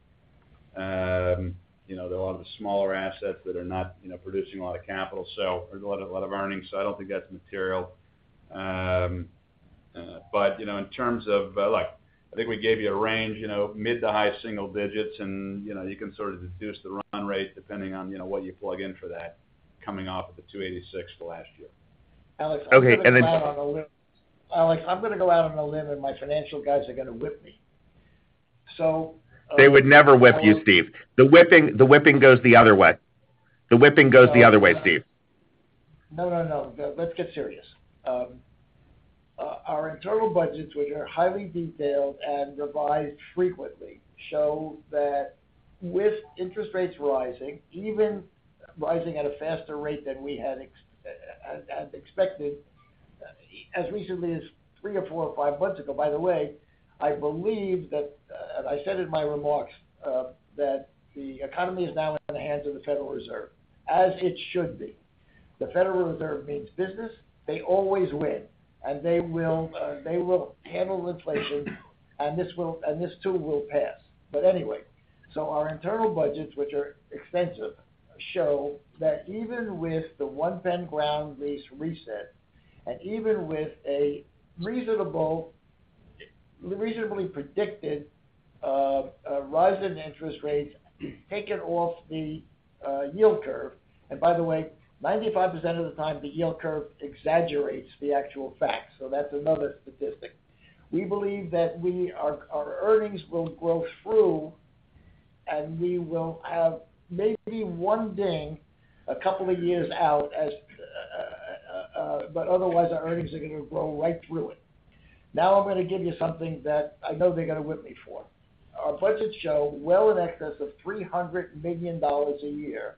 You know, there are a lot of the smaller assets that are not, you know, producing a lot of capital. There's a lot of earnings, so I don't think that's material. You know, in terms of, like, I think we gave you a range, you know, mid to high single digits, and, you know, you can sort of deduce the run rate depending on, you know, what you plug in for that coming off of the $286 for last year. Alex-. Okay. Alex, I'm gonna go out on a limb, and my financial guys are gonna whip me. They would never whip you, Steve. The whipping goes the other way. The whipping goes the other way, Steve. No, no. Let's get serious. Our internal budgets, which are highly detailed and revised frequently, show that with interest rates rising, even rising at a faster rate than we had as expected as recently as three or four or five months ago. By the way, I believe that I said in my remarks that the economy is now in the hands of the Federal Reserve, as it should be. The Federal Reserve means business. They always win, and they will handle inflation, and this too will pass. Our internal budgets, which are extensive, show that even with the One PENN Ground Lease reset, and even with a reasonably predicted rise in interest rates taken off the yield curve. By the way, 95% of the time, the yield curve exaggerates the actual facts. That's another statistic. We believe that our earnings will grow through, and we will have maybe one ding a couple of years out as, but otherwise, our earnings are gonna grow right through it. Now I'm gonna give you something that I know they're gonna whip me for. Our budgets show well in excess of $300 million a year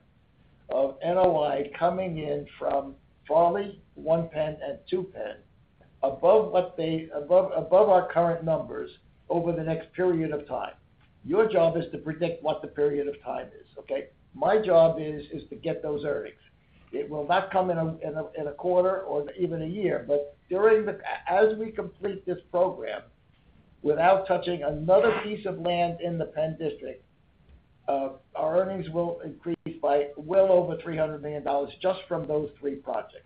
of NOI coming in from Farley, One PENN, and Two PENN above what they above our current numbers over the next period of time. Your job is to predict what the period of time is, okay? My job is to get those earnings. It will not come in a quarter or even a year. as we complete this program, without touching another piece of land in the PENN DISTRICT, our earnings will increase by well over $300 million just from those three projects.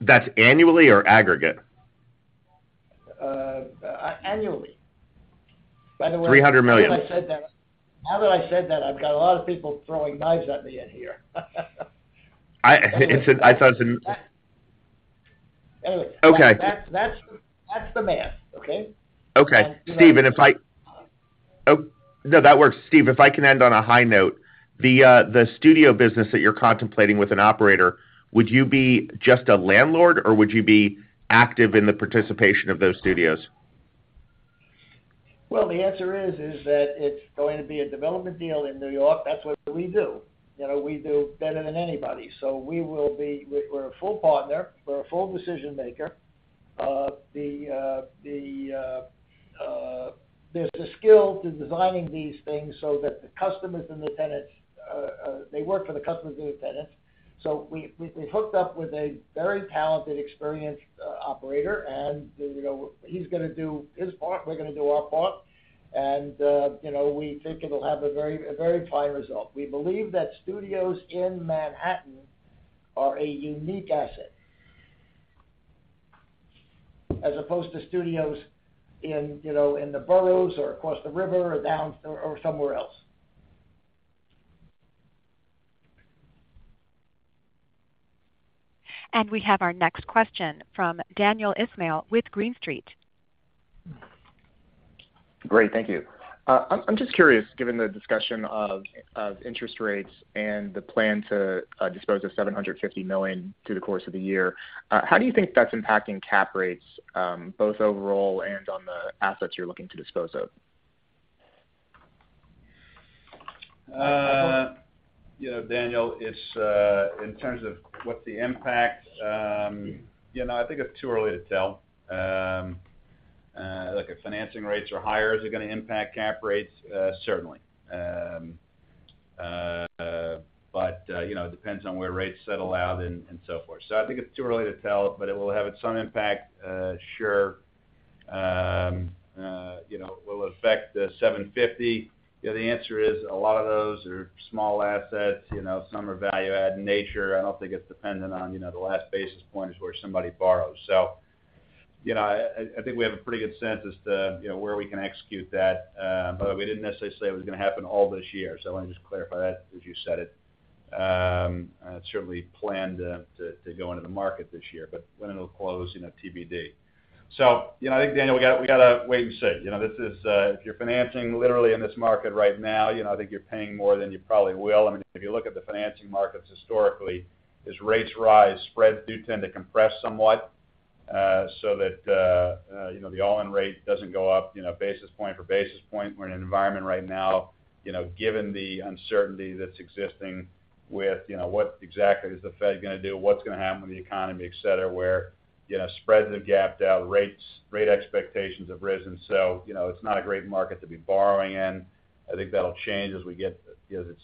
That's annually or aggregate? Annually. By the way. $300 million. Now that I said that, I've got a lot of people throwing knives at me in here. I thought it's an. Anyway. Okay. That's the math, okay? Okay. You know. Steve, if I can end on a high note, the studio business that you're contemplating with an operator, would you be just a landlord, or would you be active in the participation of those studios? The answer is that it's going to be a development deal in New York. That's what we do. You know, we do better than anybody. We're a full partner. We're a full decision-maker. There's a skill to designing these things so that the customers and the tenants they work for the customers and the tenants. We've hooked up with a very talented, experienced operator, and, you know, he's gonna do his part, we're gonna do our part, and, you know, we think it'll have a very fine result. We believe that studios in Manhattan are a unique asset as opposed to studios in, you know, in the boroughs or across the river or down or somewhere else. We have our next question from Daniel Ismail with Green Street. Great. Thank you. I'm just curious, given the discussion of interest rates and the plan to dispose of $750 million through the course of the year, how do you think that's impacting cap rates, both overall and on the assets you're looking to dispose of? Uh-. Michael? You know, Daniel, it's in terms of what the impact, you know, I think it's too early to tell. Look, if financing rates are higher, is it gonna impact cap rates? Certainly. You know, it depends on where rates settle out and so forth. I think it's too early to tell, but it will have some impact, sure. You know, will it affect the 750? You know, the answer is a lot of those are small assets. You know, some are value add in nature. I don't think it's dependent on, you know, the last basis point is where somebody borrows. You know, I think we have a pretty good sense as to, you know, where we can execute that, but we didn't necessarily say it was gonna happen all this year. Let me just clarify that as you said it. It's certainly planned to go into the market this year, but when it'll close, you know, TBD. I think, Daniel, we gotta wait and see. You know, this is. If you're financing literally in this market right now, you know, I think you're paying more than you probably will. I mean, if you look at the financing markets historically, as rates rise, spreads do tend to compress somewhat, so that, you know, the all-in rate doesn't go up, you know, basis point for basis point. We're in an environment right now, you know, given the uncertainty that's existing with, you know, what exactly is the Fed gonna do, what's gonna happen with the economy, et cetera, where, you know, spreads have gapped out, rates, rate expectations have risen. You know, it's not a great market to be borrowing in. I think that'll change as it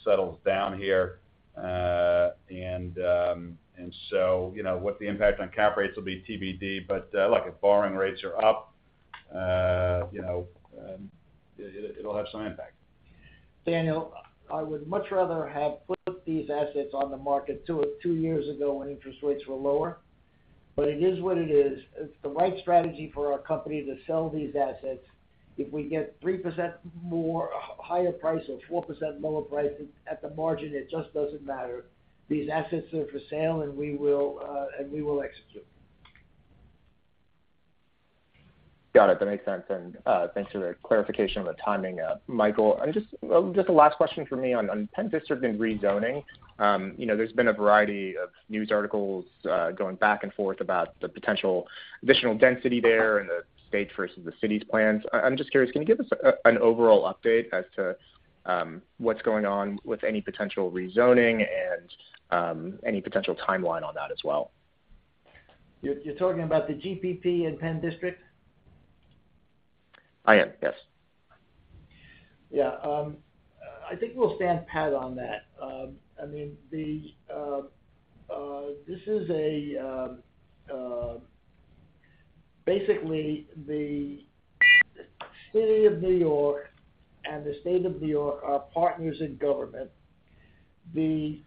settles down here. You know, what the impact on cap rates will be TBD. Look, if borrowing rates are up, you know, it'll have some impact. Daniel, I would much rather have put these assets on the market two years ago when interest rates were lower. It is what it is. It's the right strategy for our company to sell these assets. If we get 3% higher price or 4% lower price at the margin, it just doesn't matter. These assets are for sale, and we will execute. Got it. That makes sense. Thanks for the clarification on the timing, Michael. Just the last question for me on PENN DISTRICT and rezoning. You know, there's been a variety of news articles going back and forth about the potential additional density there and the state versus the city's plans. I'm just curious, can you give us an overall update as to what's going on with any potential rezoning and any potential timeline on that as well? You're talking about the GPP in PENN DISTRICT? I am, yes. Yeah. I think we'll stand pat on that. I mean, basically, the City of New York and the State of New York are partners in government. The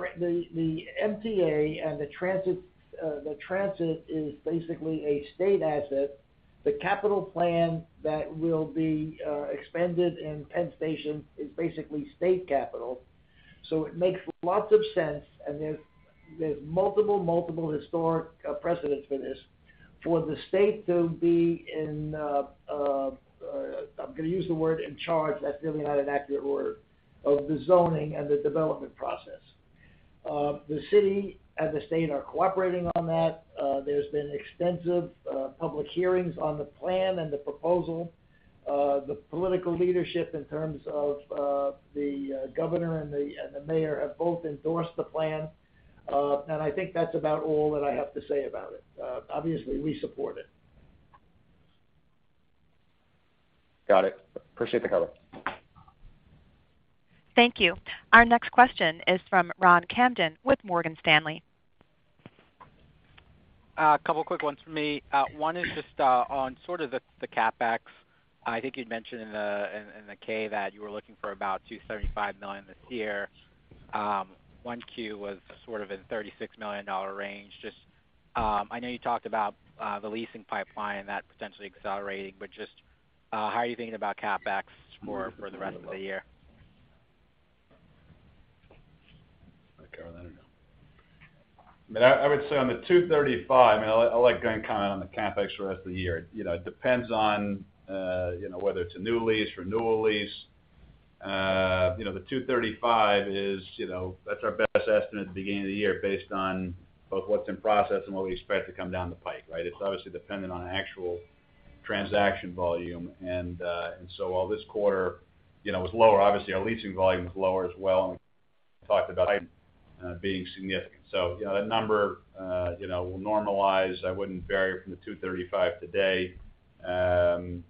MTA and the transit is basically a state asset. The capital plan that will be expanded in Penn Station is basically state capital. It makes lots of sense, and there's multiple historic precedents for this, for the state to be in, I'm gonna use the word in charge, that's really not an accurate word, of the zoning and the development process. The city and the state are cooperating on that. There's been extensive public hearings on the plan and the proposal. The political leadership in terms of the governor and the mayor have both endorsed the plan. I think that's about all that I have to say about it. Obviously, we support it. Got it. Appreciate the color. Thank you. Our next question is from Ronald Kamdem with Morgan Stanley. A couple quick ones from me. One is just on sort of the CapEx. I think you'd mentioned in the K that you were looking for about $235 million this year. One Q was sort of in the $36 million range. I know you talked about the leasing pipeline and that potentially accelerating, but just how are you thinking about CapEx for the rest of the year? Ronald Kamdem, I don't know. I would say on the 235, and I'll let Glen comment on the CapEx for the rest of the year. You know, it depends on you know, whether it's a new lease, renewal lease. You know, the 235 is you know, that's our best estimate at the beginning of the year based on both what's in process and what we expect to come down the pipe, right? It's obviously dependent on actual transaction volume. While this quarter, you know, was lower, obviously our leasing volume was lower as well, and we talked about being significant. You know, that number will normalize. I wouldn't vary from the 235 today.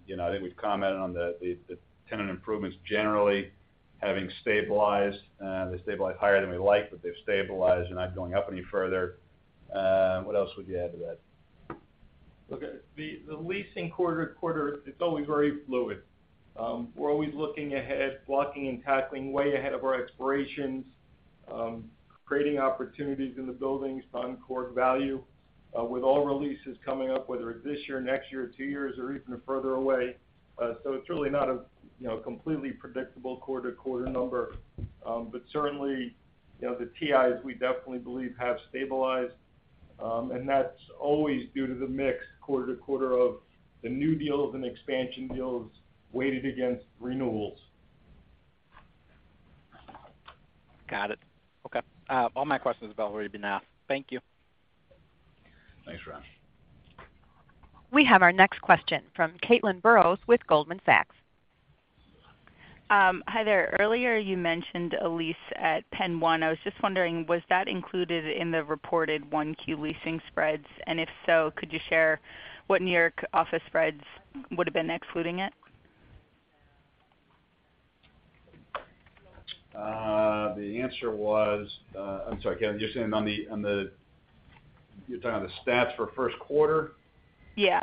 You know, I think we've commented on the tenant improvements generally having stabilized. They stabilized higher than we like, but they've stabilized. They're not going up any further. What else would you add to that? Look, the leasing quarter to quarter, it's always very fluid. We're always looking ahead, blocking and tackling way ahead of our expirations, creating opportunities in the buildings to unlock core value, with all leases coming up, whether it's this year, next year, two years, or even further away. It's really not a, you know, completely predictable quarter-to-quarter number. But certainly, you know, the TIs, we definitely believe have stabilized. That's always due to the mix quarter to quarter of the new deals and expansion deals weighted against renewals. Got it. Okay. All my questions have already been asked. Thank you. Thanks, Ron. We have our next question from Caitlin Burrows with Goldman Sachs. Hi there. Earlier you mentioned a lease at PENN 1. I was just wondering, was that included in the reported 1Q leasing spreads? If so, could you share what New York office spreads would've been excluding it? I'm sorry, Caitlin. You're talking about the stats for first quarter? Yeah.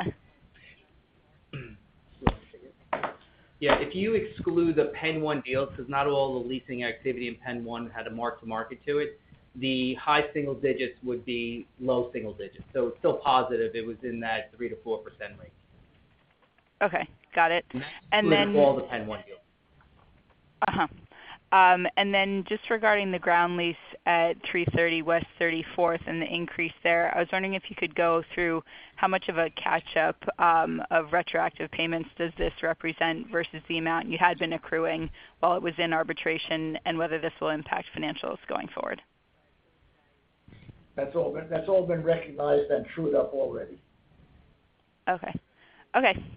Yeah. If you exclude the PENN 1 deals, 'cause not all the leasing activity in PENN 1 had a mark-to-market to it, the high single digits would be low single digits. It's still positive. It was in that 3%-4% range. Okay. Got it. Exclude all the PENN 1 deals. Just regarding the ground lease at 330 West 34th and the increase there, I was wondering if you could go through how much of a catch up of retroactive payments does this represent versus the amount you had been accruing while it was in arbitration, and whether this will impact financials going forward. That's all been recognized and trued up already. Okay,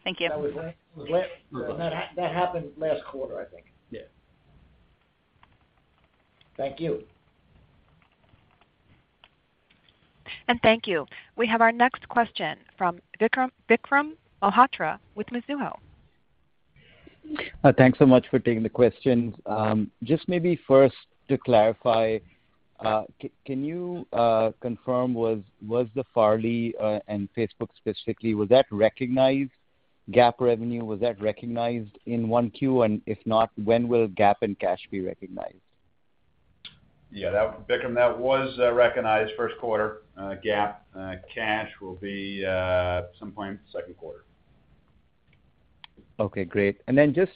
thank you. That was last. Yeah. That happened last quarter, I think. Yeah. Thank you. Thank you. We have our next question from Vikram Malhotra with Mizuho. Thanks so much for taking the questions. Just maybe first to clarify, can you confirm was the Farley and Facebook specifically, was that recognized GAAP revenue? Was that recognized in 1Q? If not, when will GAAP and cash be recognized? Yeah, Vikram, that was recognized first quarter GAAP. Cash will be some point second quarter. Okay, great. Just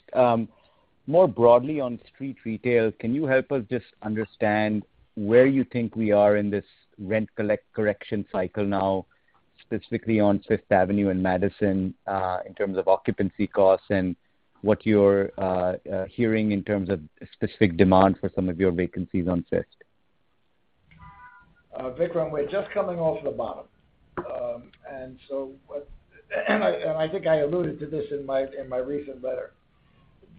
more broadly on street retail, can you help us just understand where you think we are in this correction cycle now, specifically on Fifth Avenue and Madison, in terms of occupancy costs and what you're hearing in terms of specific demand for some of your vacancies on Fifth? Vikram, we're just coming off the bottom. I think I alluded to this in my recent letter.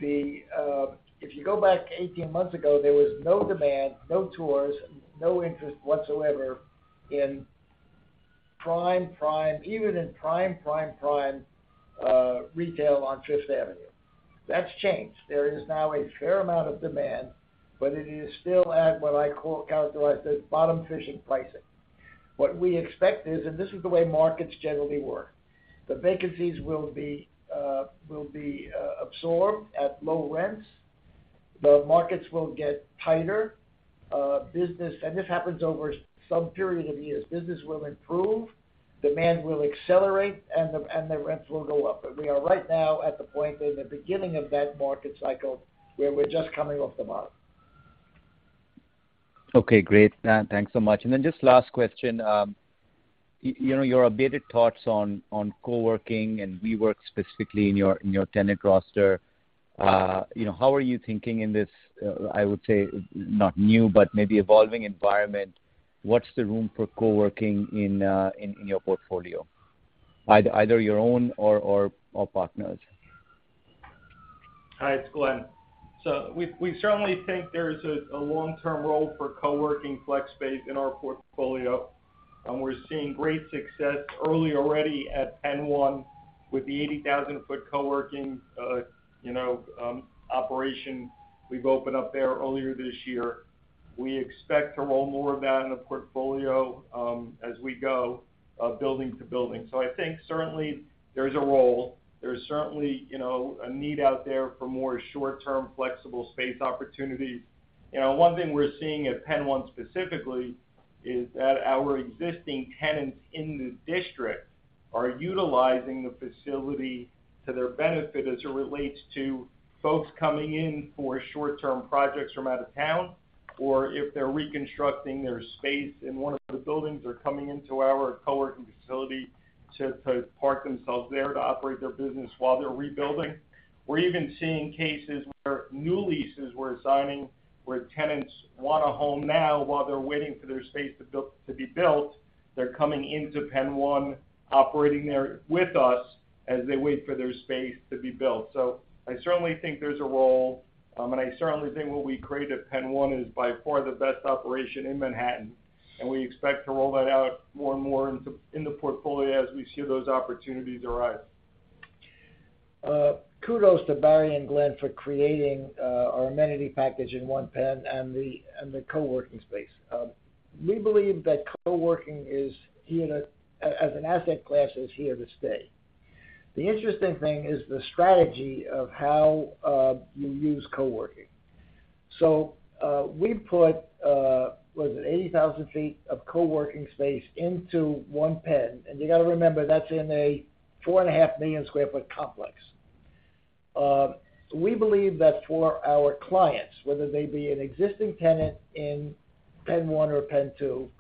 If you go back 18-months ago, there was no demand, no tours, no interest whatsoever in prime retail on Fifth Avenue. That's changed. There is now a fair amount of demand, but it is still at what I characterize as bottom fishing pricing. What we expect is, and this is the way markets generally work, the vacancies will be absorbed at low rents. The markets will get tighter. Business, and this happens over some period of years, business will improve, demand will accelerate, and the rents will go up. We are right now at the point in the beginning of that market cycle where we're just coming off the bottom. Okay, great. Thanks so much. Just last question. You know, your updated thoughts on co-working and WeWork specifically in your tenant roster. You know, how are you thinking in this? I would say, not new, but maybe evolving environment. What's the room for co-working in your portfolio, either your own or partners? Hi, it's Glen. We certainly think there's a long-term role for co-working flex space in our portfolio. We're seeing great success early already at PENN 1 with the 80,000 ft co-working, you know, operation we've opened up there earlier this year. We expect to roll more of that in the portfolio, as we go, building to building. I think certainly there's a role. There's certainly, you know, a need out there for more short-term flexible space opportunities. You know, one thing we're seeing at PENN 1 specifically is that our existing tenants in the district are utilizing the facility to their benefit as it relates to folks coming in for short-term projects from out of town, or if they're reconstructing their space in one of the buildings or coming into our co-working facility to park themselves there to operate their business while they're rebuilding. We're even seeing cases where new leases we're signing, where tenants want a home now while they're waiting for their space to be built. They're coming into PENN 1, operating there with us as they wait for their space to be built. I certainly think there's a role, and I certainly think what we create at PENN 1 is by far the best operation in Manhattan, and we expect to roll that out more and more into the portfolio as we see those opportunities arise. Kudos to Barry and Glen for creating our amenity package in PENN 1 and the co-working space. We believe that co-working as an asset class is here to stay. The interesting thing is the strategy of how you use co-working. We put was it 80,000 sq ft of co-working space into PENN 1. You got to remember that's in a 4.5 million sq ft complex. We believe that for our clients, whether they be an existing tenant in PENN 1 or PENN 2,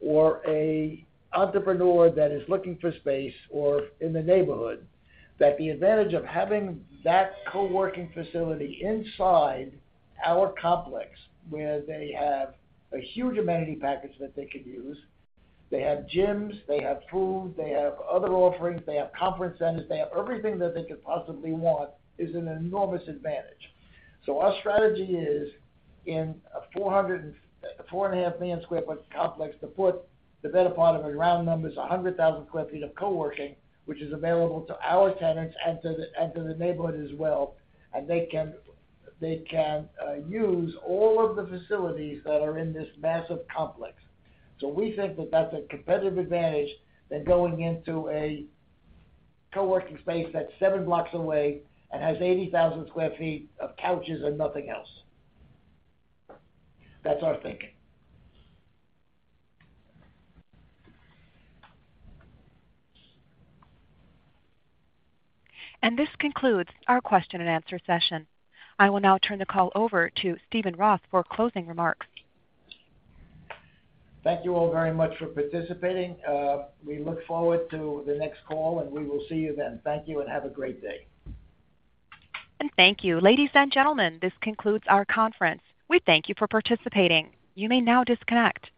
or an entrepreneur that is looking for space or in the neighborhood, that the advantage of having that co-working facility inside our complex where they have a huge amenity package that they could use. They have gyms, they have food, they have other offerings, they have conference centers, they have everything that they could possibly want, is an enormous advantage. Our strategy is in a 4.5 million sq ft complex to put the better part of a round number is 100,000 sq ft of co-working, which is available to our tenants and to the neighborhood as well, and they can use all of the facilities that are in this massive complex. We think that that's a competitive advantage than going into a co-working space that's seven blocks away and has 80,000 sq ft of couches and nothing else. That's our thinking. This concludes our question and answer session. I will now turn the call over to Steven Roth for closing remarks. Thank you all very much for participating. We look forward to the next call, and we will see you then. Thank you and have a great day. Thank you. Ladies and gentlemen, this concludes our conference. We thank you for participating. You may now disconnect.